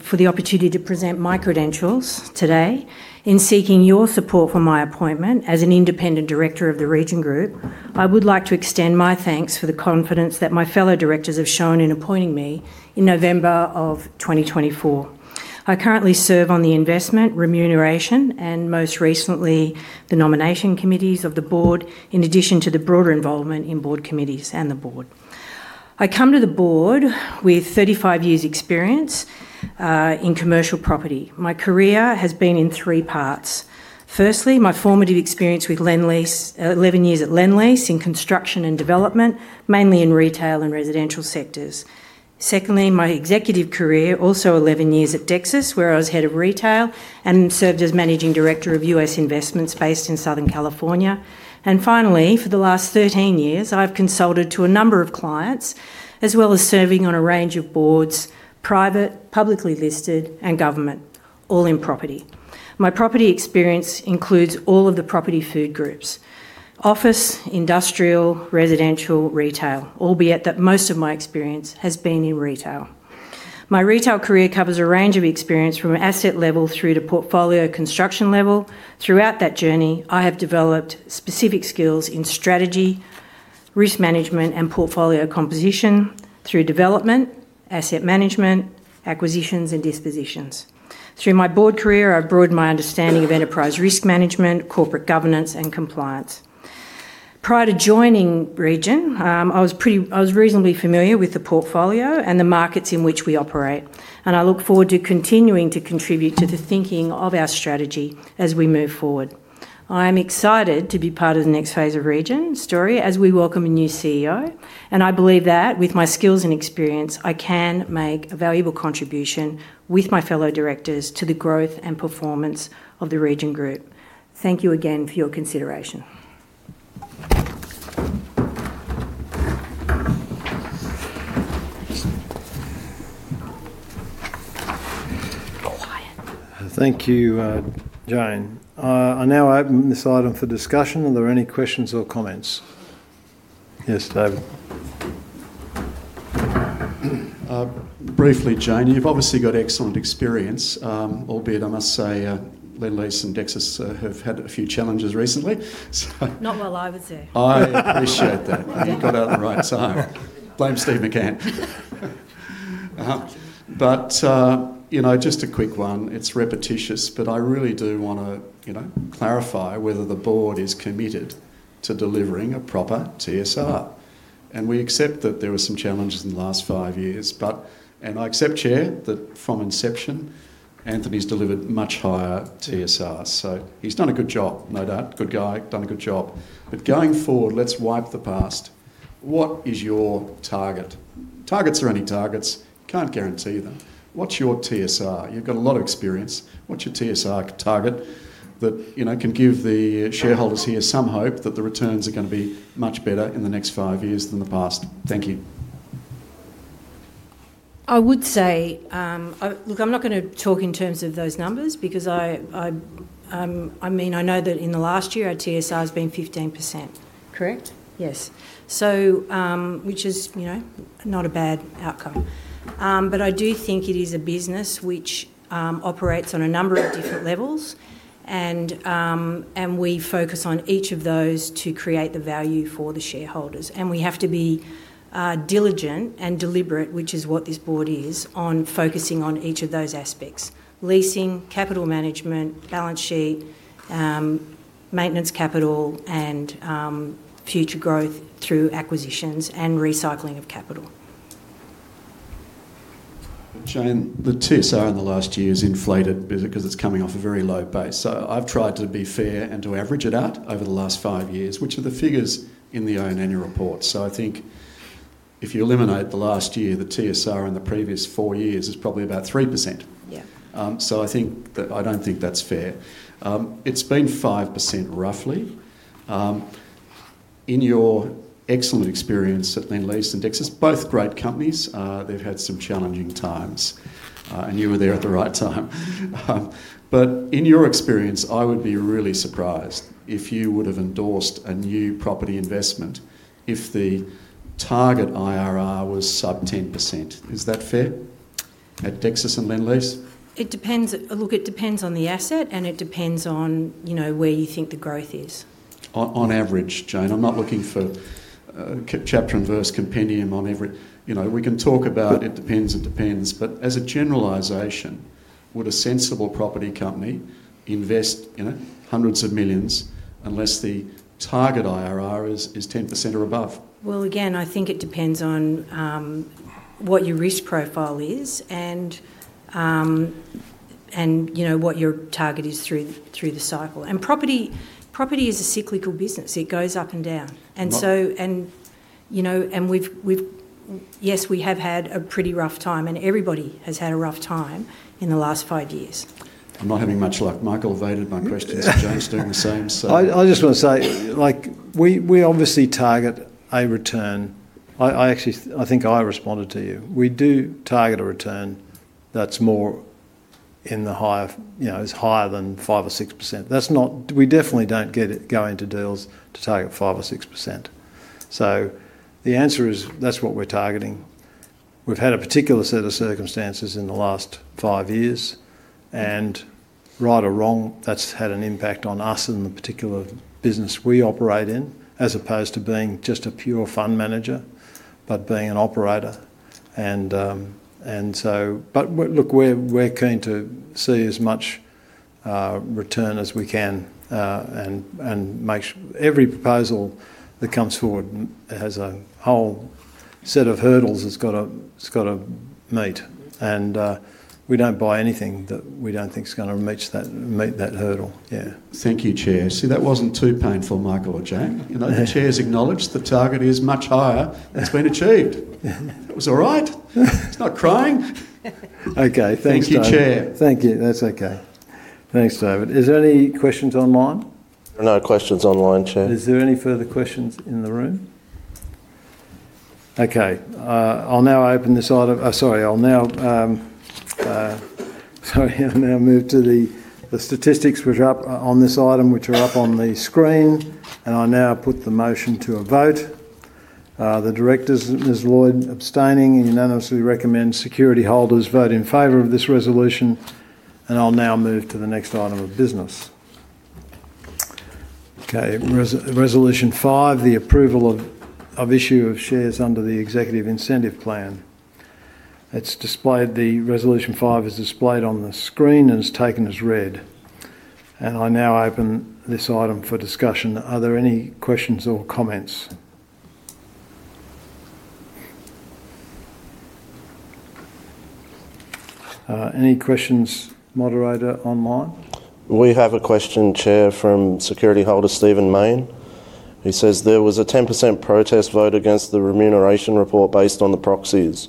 for the opportunity to present my credentials today. In seeking your support for my appointment as an independent director of the Region Group, I would like to extend my thanks for the confidence that my fellow directors have shown in appointing me in November of 2024. I currently serve on the Investment, Remuneration, and most recently, the Nomination Committees of the board, in addition to the broader involvement in board committees and the board. I come to the board with 35 years' experience in commercial property. My career has been in three parts. Firstly, my formative experience with Lendlease, 11 years at Lendlease in construction and development, mainly in retail and residential sectors. Secondly, my executive career, also 11 years at Dexus, where I was Head of Retail and served as Managing Director of U.S. Investments based in Southern California. Finally, for the last 13 years, I've consulted to a number of clients, as well as serving on a range of boards, private, publicly listed, and government, all in property. My property experience includes all of the property food groups: office, industrial, residential, retail, albeit that most of my experience has been in retail. My retail career covers a range of experience from asset level through to portfolio construction level. Throughout that journey, I have developed specific skills in strategy, risk management, and portfolio composition through development, asset management, acquisitions, and dispositions. Through my board career, I've broadened my understanding of enterprise risk management, corporate governance, and compliance. Prior to joining Region, I was reasonably familiar with the portfolio and the markets in which we operate, and I look forward to continuing to contribute to the thinking of our strategy as we move forward. I am excited to be part of the next phase of Region story as we welcome a new CEO, and I believe that with my skills and experience, I can make a valuable contribution with my fellow directors to the growth and performance of the Region Group. Thank you again for your consideration. Thank you, Jane. I now open this item for discussion. Are there any questions or comments? Yes, David. Briefly, Jane, you've obviously got excellent experience, albeit I must say Lendlease and Dexus have had a few challenges recently. Not while I was there. I appreciate that. You out at the right time. Blame Steve McCann. Just a quick one, it's repetitious, but I really do want to clarify whether the board is committed to delivering a proper TSR. We accept that there were some challenges in the last five years, and I accept, Chair, that from inception, Anthony's delivered much higher TSR. He's done a good job, no doubt. Good guy, done a good job. Going forward, let's wipe the past. What is your target? Targets are any targets. Can't guarantee them. What's your TSR? You've got a lot of experience. What's your TSR target that can give the shareholders here some hope that the returns are going to be much better in the next five years than the past? Thank you. I would say, look, I'm not going to talk in terms of those numbers because I mean, I know that in the last year, our TSR has been 15%. Correct? Yes. Which is, you know, not a bad outcome. I do think it is a business which operates on a number of different levels, and we focus on each of those to create the value for the shareholders. We have to be diligent and deliberate, which is what this board is, on focusing on each of those aspects: leasing, capital management, balance sheet, maintenance capital, and future growth through acquisitions and recycling of capital. Jane, the TSR in the last year has inflated because it's coming off a very low base. I've tried to be fair and to average it out over the last five years, which are the figures in the own annual report. I think if you eliminate the last year, the TSR in the previous four years is probably about 3%. Yeah. I don't think that's fair. It's been 5% roughly. In your excellent experience at Lendlease and Dexus, both great companies, they've had some challenging times, and you were there at the right time. In your experience, I would be really surprised if you would have endorsed a new property investment if the target IRR was sub 10%. Is that fair at Dexus and Lendlease? It depends. It depends on the asset and it depends on, you know, where you think the growth is. On average, Jane, I'm not looking for chapter and verse compendium on every, you know, we can talk about it depends, it depends, but as a generalization, would a sensible property company invest in it hundreds of millions unless the target IRR is 10% or above? I think it depends on what your risk profile is and, you know, what your target is through the cycle. Property is a cyclical business. It goes up and down. You know, we've had a pretty rough time and everybody has had a rough time in the last five years. I'm not having much luck. Michael evaded my questions. Jane's doing the same. I just want to say, we obviously target a return. I actually think I responded to you. We do target a return that's more in the higher, you know, it's higher than 5% or 6%. That's not, we definitely don't go into deals to target 5% or 6%. The answer is that's what we're targeting. We've had a particular set of circumstances in the last five years, and right or wrong, that's had an impact on us in the particular business we operate in, as opposed to being just a pure fund manager, but being an operator. We're keen to see as much return as we can and make every proposal that comes forward has a whole set of hurdles it's got to meet. We don't buy anything that we don't think is going to meet that hurdle. Yeah. Thank you, Chair. See, that wasn't too painful, Michael or Jane. Chair's acknowledged the target is much higher. It's been achieved. That was all right. It's not crying. Okay, thanks, David. Thank you, Chair. Thank you. That's okay. Thanks, David. Are there any questions online? No questions online, Chair. Are there any further questions in the room? Okay, I'll now open this item. Sorry, I'll now move to the statistics which are up on this item, which are up on the screen. I now put the motion to a vote. The directors, Ms. Lloyd abstaining, unanimously recommend security holders vote in favor of this resolution. I'll now move to the next item of business. Okay, Resolution 5, the approval of issue of shares under the executive incentive plan. Resolution 5 is displayed on the screen and is taken as read. I now open this item for discussion. Are there any questions or comments? Any questions, moderator, online? We have a question, Chair, from security holder Stephen Main. He says, "There was a 10% protest vote against the remuneration report based on the proxies.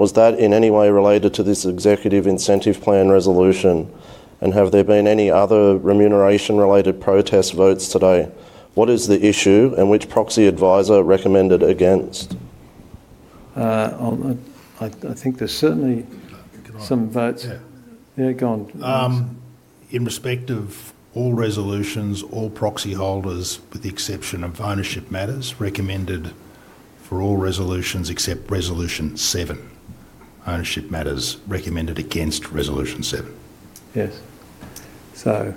Was that in any way related to this executive incentive plan resolution? Have there been any other remuneration-related protest votes today? What is the issue and which proxy advisor recommended against?" I think there's certainly some votes. Yeah, go on. In respect of all resolutions, all proxy holders, with the exception of Ownership Matters, recommended for all resolutions except Resolution 7. Ownership Matters recommended against Resolution 7. Yes, we'll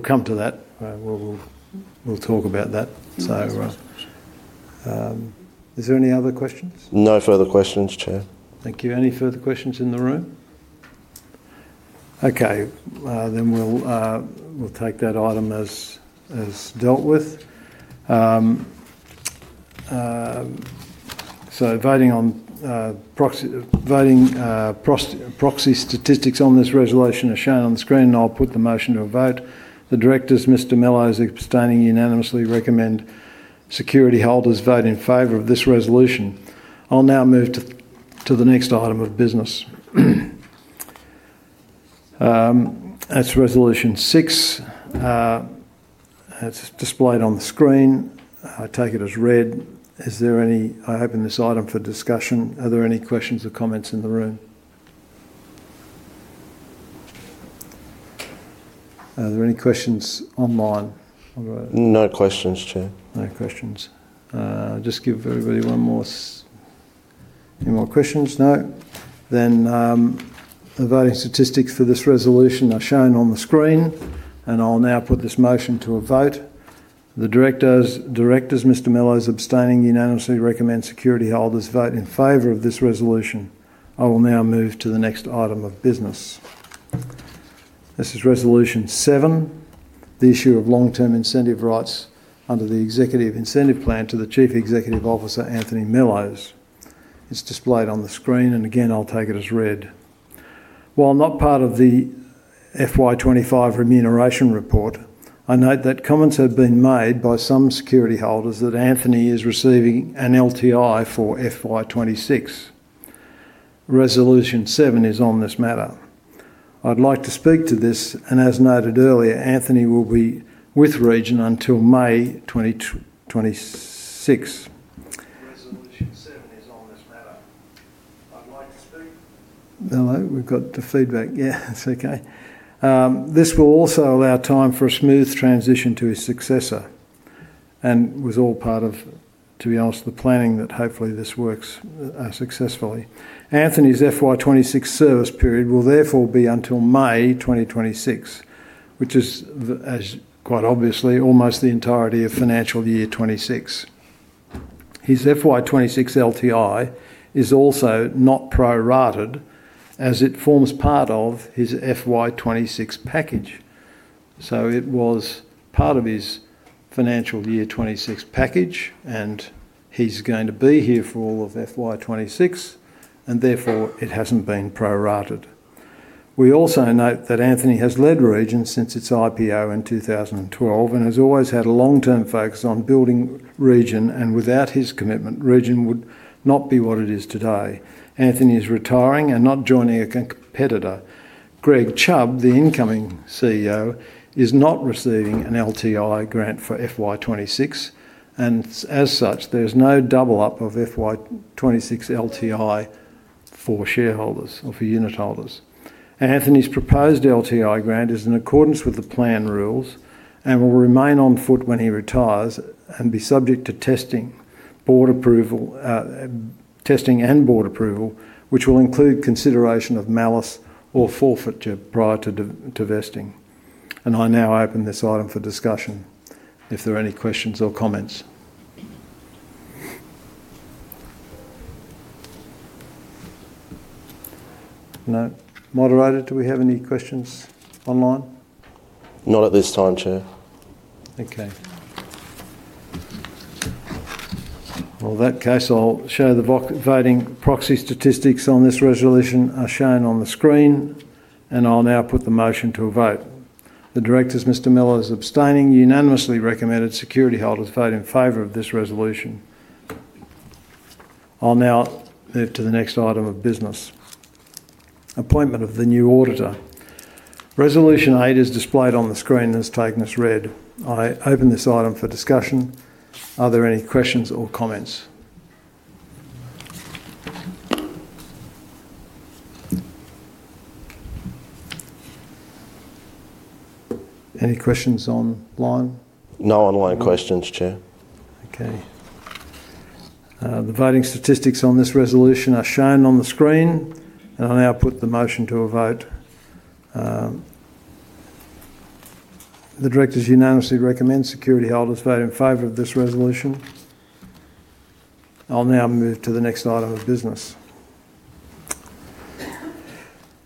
come to that. We'll talk about that. Is there any other questions? No further questions, Chair. Thank you. Any further questions in the room? Okay, we'll take that item as dealt with. Voting on proxy statistics on this resolution is shown on the screen. I'll put the motion to a vote. The directors, Mr. Mellowes abstaining, unanimously recommend security holders vote in favor of this resolution. I'll now move to the next item of business. That's Resolution 6. It's displayed on the screen. I take it as read. I open this item for discussion. Are there any questions or comments in the room? Are there any questions online? No questions, Chair. No questions. I'll just give everybody one more, any more questions? No? A voting statistic for this resolution is shown on the screen. I'll now put this motion to a vote. The directors, Mr. Mellowes abstaining, unanimously recommend security holders vote in favor of this resolution. I will now move to the next item of business. This is Resolution 7, the issue of long-term incentive rights under the executive incentive plan to the Chief Executive Officer Anthony Mellowes. It's displayed on the screen. I'll take it as read. While not part of the FY 2025 remuneration report, I note that comments have been made by some security holders that Anthony is receiving an LTI for FY 2026. Resolution 7 is on this matter. I'd like to speak to this. As noted earlier, Anthony will be with Region until May 2026. Resolution 7 is on this matter. I'd like to speak. Hello, we've got the feedback. Yeah, it's okay. This will also allow time for a smooth transition to his successor. It was all part of, to be honest, the planning that hopefully this works successfully. Anthony's FY 2026 service period will therefore be until May 2026, which is quite obviously almost the entirety of financial year 2026. His FY 2026 LTI is also not pro-rata as it forms part of his FY 2026 package. It was part of his financial year 2026 package, and he's going to be here for all of FY 2026, and therefore it hasn't been pro-rata. We also note that Anthony has led Region since its IPO in 2012 and has always had a long-term focus on building Region, and without his commitment, Region would not be what it is today. Anthony is retiring and not joining a competitor. Greg Chubb, the incoming CEO, is not receiving an LTI grant for FY 2026, and as such, there's no double up of FY 2026 LTI for shareholders or for unit holders. Anthony's proposed LTI grant is in accordance with the plan rules and will remain on foot when he retires and be subject to testing and board approval, which will include consideration of malus or forfeiture prior to divesting. I now open this item for discussion if there are any questions or comments. No? Moderator, do we have any questions online? Not at this time, Chair. In that case, I'll show the voting proxy statistics on this resolution are shown on the screen, and I'll now put the motion to a vote. The directors, Mr. Mellowes abstaining, unanimously recommended security holders vote in favor of this resolution. I'll now move to the next item of business. Appointment of the new auditor. Resolution 8 is displayed on the screen and is taken as read. I open this item for discussion. Are there any questions or comments? Any questions online? No online questions, Chair. Okay. The voting statistics on this resolution are shown on the screen, and I'll now put the motion to a vote. The directors unanimously recommend security holders vote in favor of this resolution. I'll now move to the next item of business.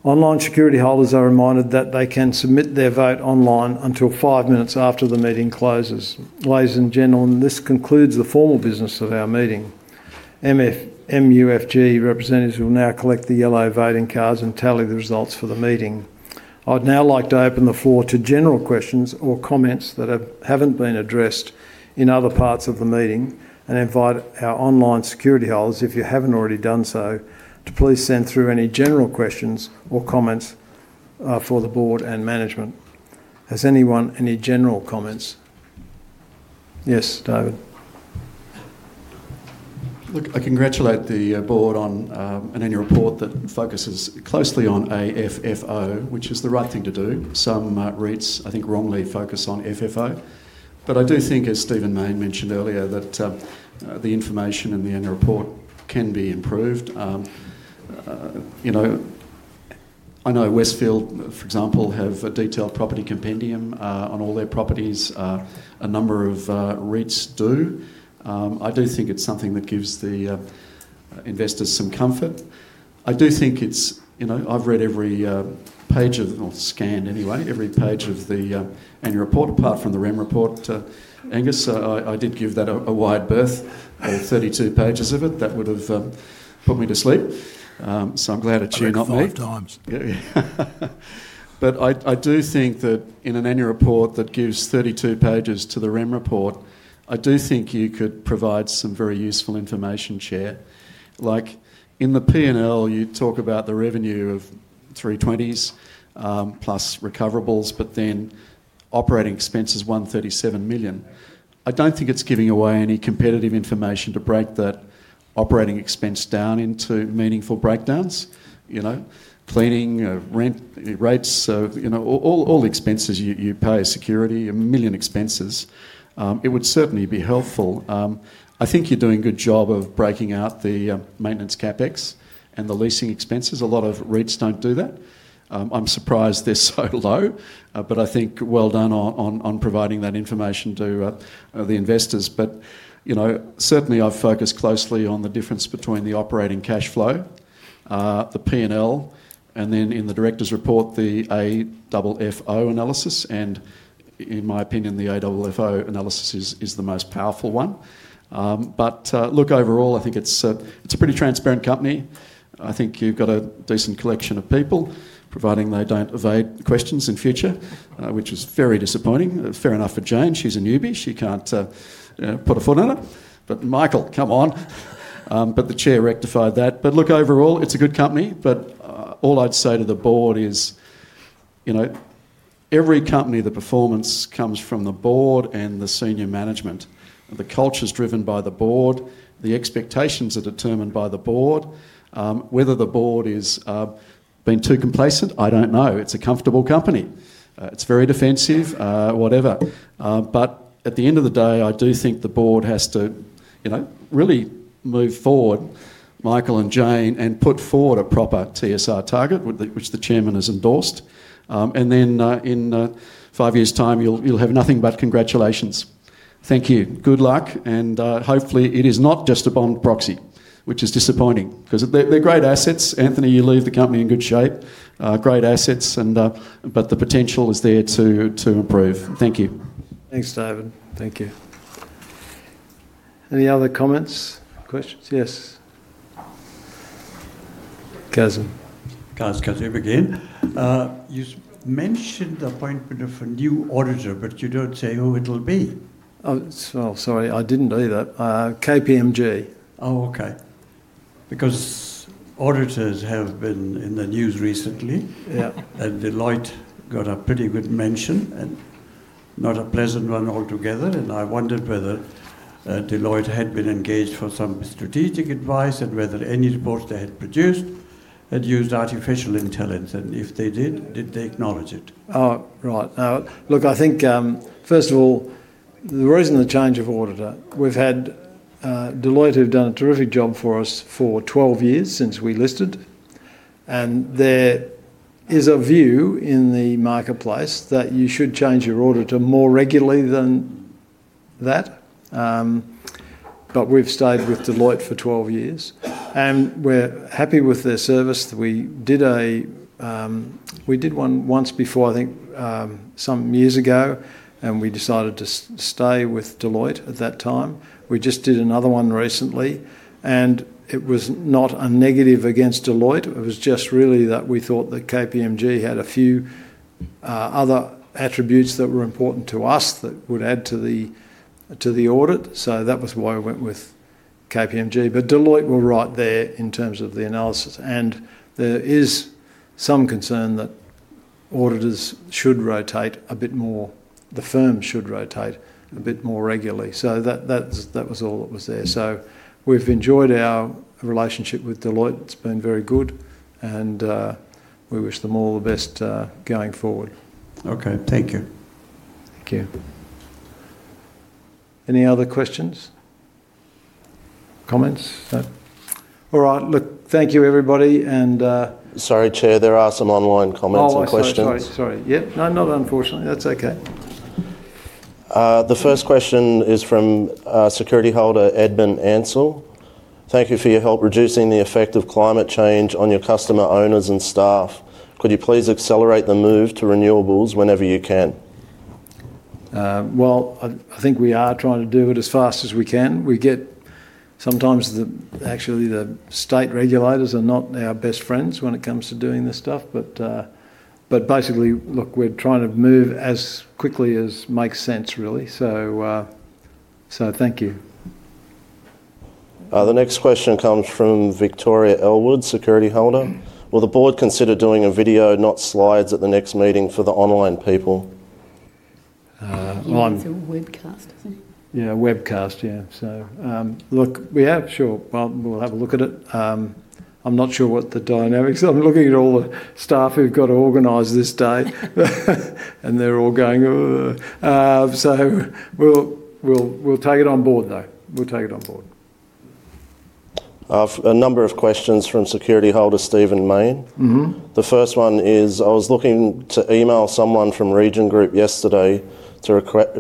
Online security holders are reminded that they can submit their vote online until five minutes after the meeting closes. Ladies and gentlemen, this concludes the formal business of our meeting. MUFG representatives will now collect the yellow voting cards and tally the results for the meeting. I'd now like to open the floor to general questions or comments that haven't been addressed in other parts of the meeting and invite our online security holders, if you haven't already done so, to please send through any general questions or comments for the board and management. Has anyone any general comments? Yes, David. Look, I congratulate the board on an annual report that focuses closely on AFFO, which is the right thing to do. Some REITs, I think, wrongly focus on FFO. I do think, as Stephen Main mentioned earlier, that the information in the annual report can be improved. I know Westfield, for example, have a detailed property compendium on all their properties. A number of REITs do. I do think it's something that gives the investors some comfort. I've read every page, scanned anyway, every page of the annual report, apart from the REM report, Angus, I did give that a wide berth of 32 pages of it. That would have put me to sleep. I'm glad it's you, not me. I do think that in an annual report that gives 32 pages to the REM report, you could provide some very useful information, Chair. Like in the P&L, you talk about the revenue of 320 million plus recoverables, but then operating expenses 137 million. I don't think it's giving away any competitive information to break that operating expense down into meaningful breakdowns, cleaning, rent, rates, all the expenses you pay, security, a million expenses. It would certainly be helpful. I think you're doing a good job of breaking out the maintenance CapEx and the leasing expenses. A lot of REITs don't do that. I'm surprised they're so low, but I think well done on providing that information to the investors. I've focused closely on the difference between the operating cash flow, the P&L, and then in the director's report, the AFFO analysis. In my opinion, the AFFO analysis is the most powerful one. Overall, I think it's a pretty transparent company. I think you've got a decent collection of people, providing they don't evade questions in the future, which is very disappointing. Fair enough for Jane. She's a newbie. She can't put a foot on it. Michael, come on. The Chair rectified that. Overall, it's a good company. All I'd say to the board is, every company, the performance comes from the board and the senior management. The culture is driven by the board. The expectations are determined by the board. Whether the board has been too complacent, I don't know. It's a comfortable company. It's very defensive, whatever. At the end of the day, I do think the board has to really move forward, Michael and Jane, and put forward a proper TSR target, which the Chairman has endorsed. In five years' time, you'll have nothing but congratulations. Thank you. Good luck. Hopefully, it is not just a bond proxy, which is disappointing because they're great assets. Anthony, you leave the company in good shape, great assets, but the potential is there to improve. Thank you. Thanks, David. Thank you. Any other comments or questions? Yes. Cas Kazim again. You mentioned the appointment of a new auditor, but you don't say who it'll be. Sorry, I didn't do that. KPMG. Oh, okay. Because auditors have been in the news recently. Deloitte got a pretty good mention, and not a pleasant one altogether. I wondered whether Deloitte had been engaged for some strategic advice and whether any reports they had produced had used artificial intelligence. If they did, did they acknowledge it? Right. I think first of all, the reason the change of auditor, we've had, Deloitte had done a terrific job for us for 12 years since we listed. There is a view in the marketplace that you should change your auditor more regularly than that. We've stayed with Deloitte for 12 years, and we're happy with their service. We did one once before, I think some years ago, and we decided to stay with Deloitte at that time. We just did another one recently. It was not a negative against Deloitte. It was just really that we thought that KPMG had a few other attributes that were important to us that would add to the audit. That was why we went with KPMG. Deloitte were right there in terms of the analysis. There is some concern that auditors should rotate a bit more, the firm should rotate a bit more regularly. That was all that was there. We've enjoyed our relationship with Deloitte. It's been very good, and we wish them all the best going forward. Okay, thank you. Thank you. Any other questions? Comments? No? All right, thank you everybody. Sorry, Chair, there are some online comments and questions. Sorry, sorry. Yeah, no, not unfortunately. That's okay. The first question is from security holder Edmund Ansell. Thank you for your help reducing the effect of climate change on your customer owners and staff. Could you please accelerate the move to renewables whenever you can? I think we are trying to do it as fast as we can. Sometimes the state regulators are not our best friends when it comes to doing this stuff. Basically, look, we're trying to move as quickly as makes sense, really. Thank you. The next question comes from Victoria Elwood, security holder. Will the board consider doing a video, not slides, at the next meeting for the online people? It's a webcast, isn't it? Yeah, a webcast, yeah. We have, sure. We'll have a look at it. I'm not sure what the dynamics are. I'm looking at all the staff who've got to organize this day, and they're all going. We'll take it on board though. We'll take it on board. A number of questions from security holder Stephen Main. The first one is, I was looking to email someone from Region Group yesterday to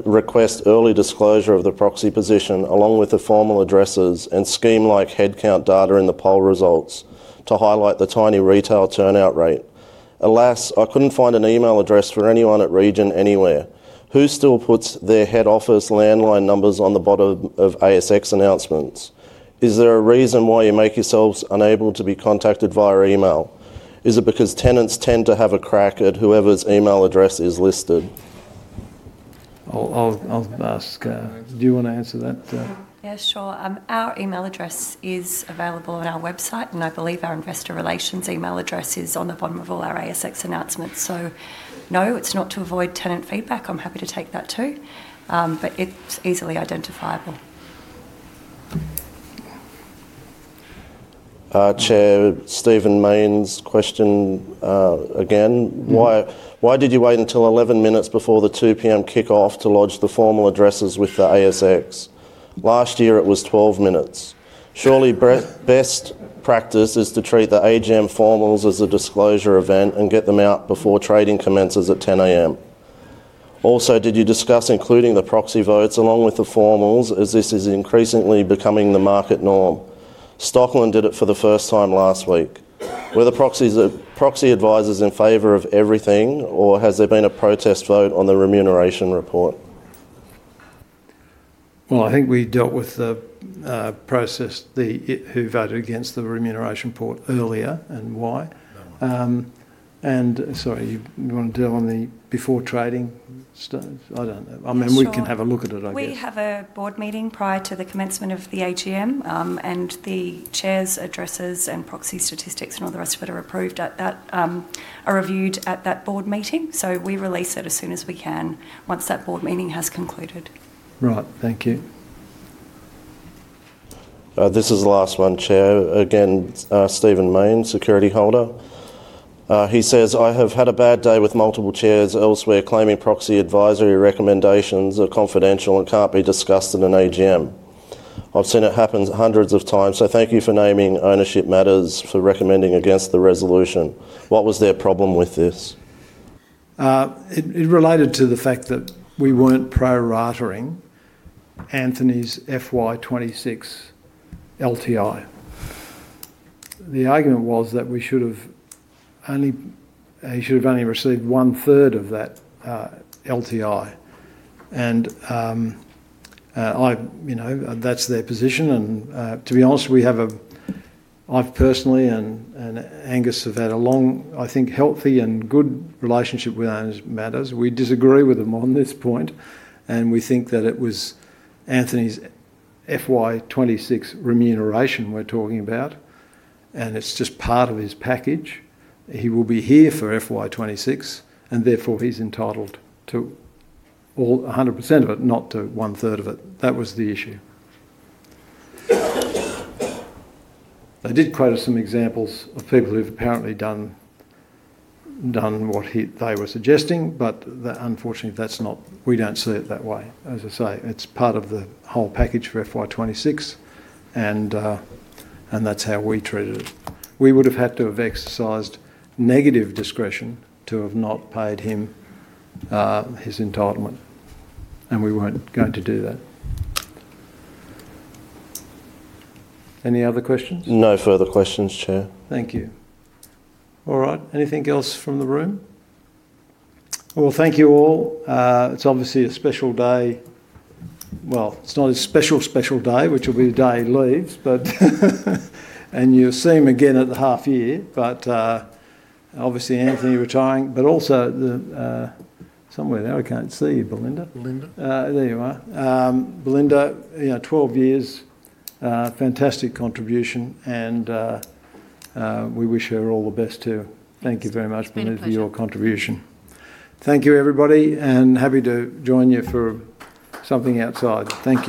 request early disclosure of the proxy position along with the formal addresses and scheme-like headcount data in the poll results to highlight the tiny retail turnout rate. Alas, I couldn't find an email address for anyone at Region anywhere. Who still puts their head office landline numbers on the bottom of ASX announcements? Is there a reason why you make yourselves unable to be contacted via email? Is it because tenants tend to have a crack at whoever's email address is listed? I'll ask, do you want to answer that? Yeah, sure. Our email address is available on our website, and I believe our investor relations email address is on the bottom of all our ASX announcements. No, it's not to avoid tenant feedback. I'm happy to take that too. It's easily identifiable. Chair, Stephen Main's question again. Why did you wait until 11 minutes before the 2:00 P.M. kickoff to lodge the formal addresses with the ASX? Last year it was 12 minutes. Surely best practice is to treat the AGM formals as a disclosure event and get them out before trading commences at 10:00 A.M. Also, did you discuss including the proxy votes along with the formals as this is increasingly becoming the market norm? Stockland did it for the first time last week. Were the proxy advisors in favor of everything, or has there been a protest vote on the remuneration report? I think we dealt with the process, who voted against the remuneration report earlier and why. Sorry, you want to deal on the before trading? I don't know. I mean, we can have a look at it, I guess. We have a board meeting prior to the commencement of the AGM, and the Chairs' addresses and proxy statistics and all the rest of it are approved, are reviewed at that board meeting. We release it as soon as we can once that board meeting has concluded. Right, thank you. This is the last one, Chair. Again, Stephen Main, security holder. He says, "I have had a bad day with multiple Chairs elsewhere claiming proxy advisory recommendations are confidential and can't be discussed in an AGM. I've seen it happen hundreds of times, so thank you for naming Ownership Matters for recommending against the resolution." What was their problem with this? It related to the fact that we weren't pro-rating Anthony's FY 2026 LTI. The argument was that we should have only received 1/3 of that LTI. That's their position. To be honest, I have personally, and Angus has had a long, I think, healthy and good relationship with Ownership Matters. We disagree with them on this point. We think that it was Anthony's FY 2026 remuneration we're talking about, and it's just part of his package. He will be here for FY 2026, and therefore he's entitled to all 100% of it, not to 1/3 of it. That was the issue. They did quote us some examples of people who've apparently done what they were suggesting, but unfortunately, we don't see it that way. As I say, it's part of the whole package for FY 2026, and that's how we treated it. We would have had to have exercised negative discretion to have not paid him his entitlement, and we weren't going to do that. Any other questions? No further questions, Chair. Thank you. All right. Anything else from the room? Thank you all. It's obviously a special day. It's not a special, special day, which will be the day he leaves, but you'll see him again at the half year. Obviously, Anthony retiring, but also somewhere there, I can't see you, Belinda. Belinda, there you are. Belinda, you know, 12 years, fantastic contribution, and we wish her all the best too. Thank you very much, Belinda, for your contribution. Thank you, everybody, and happy to join you for something outside. Thank you.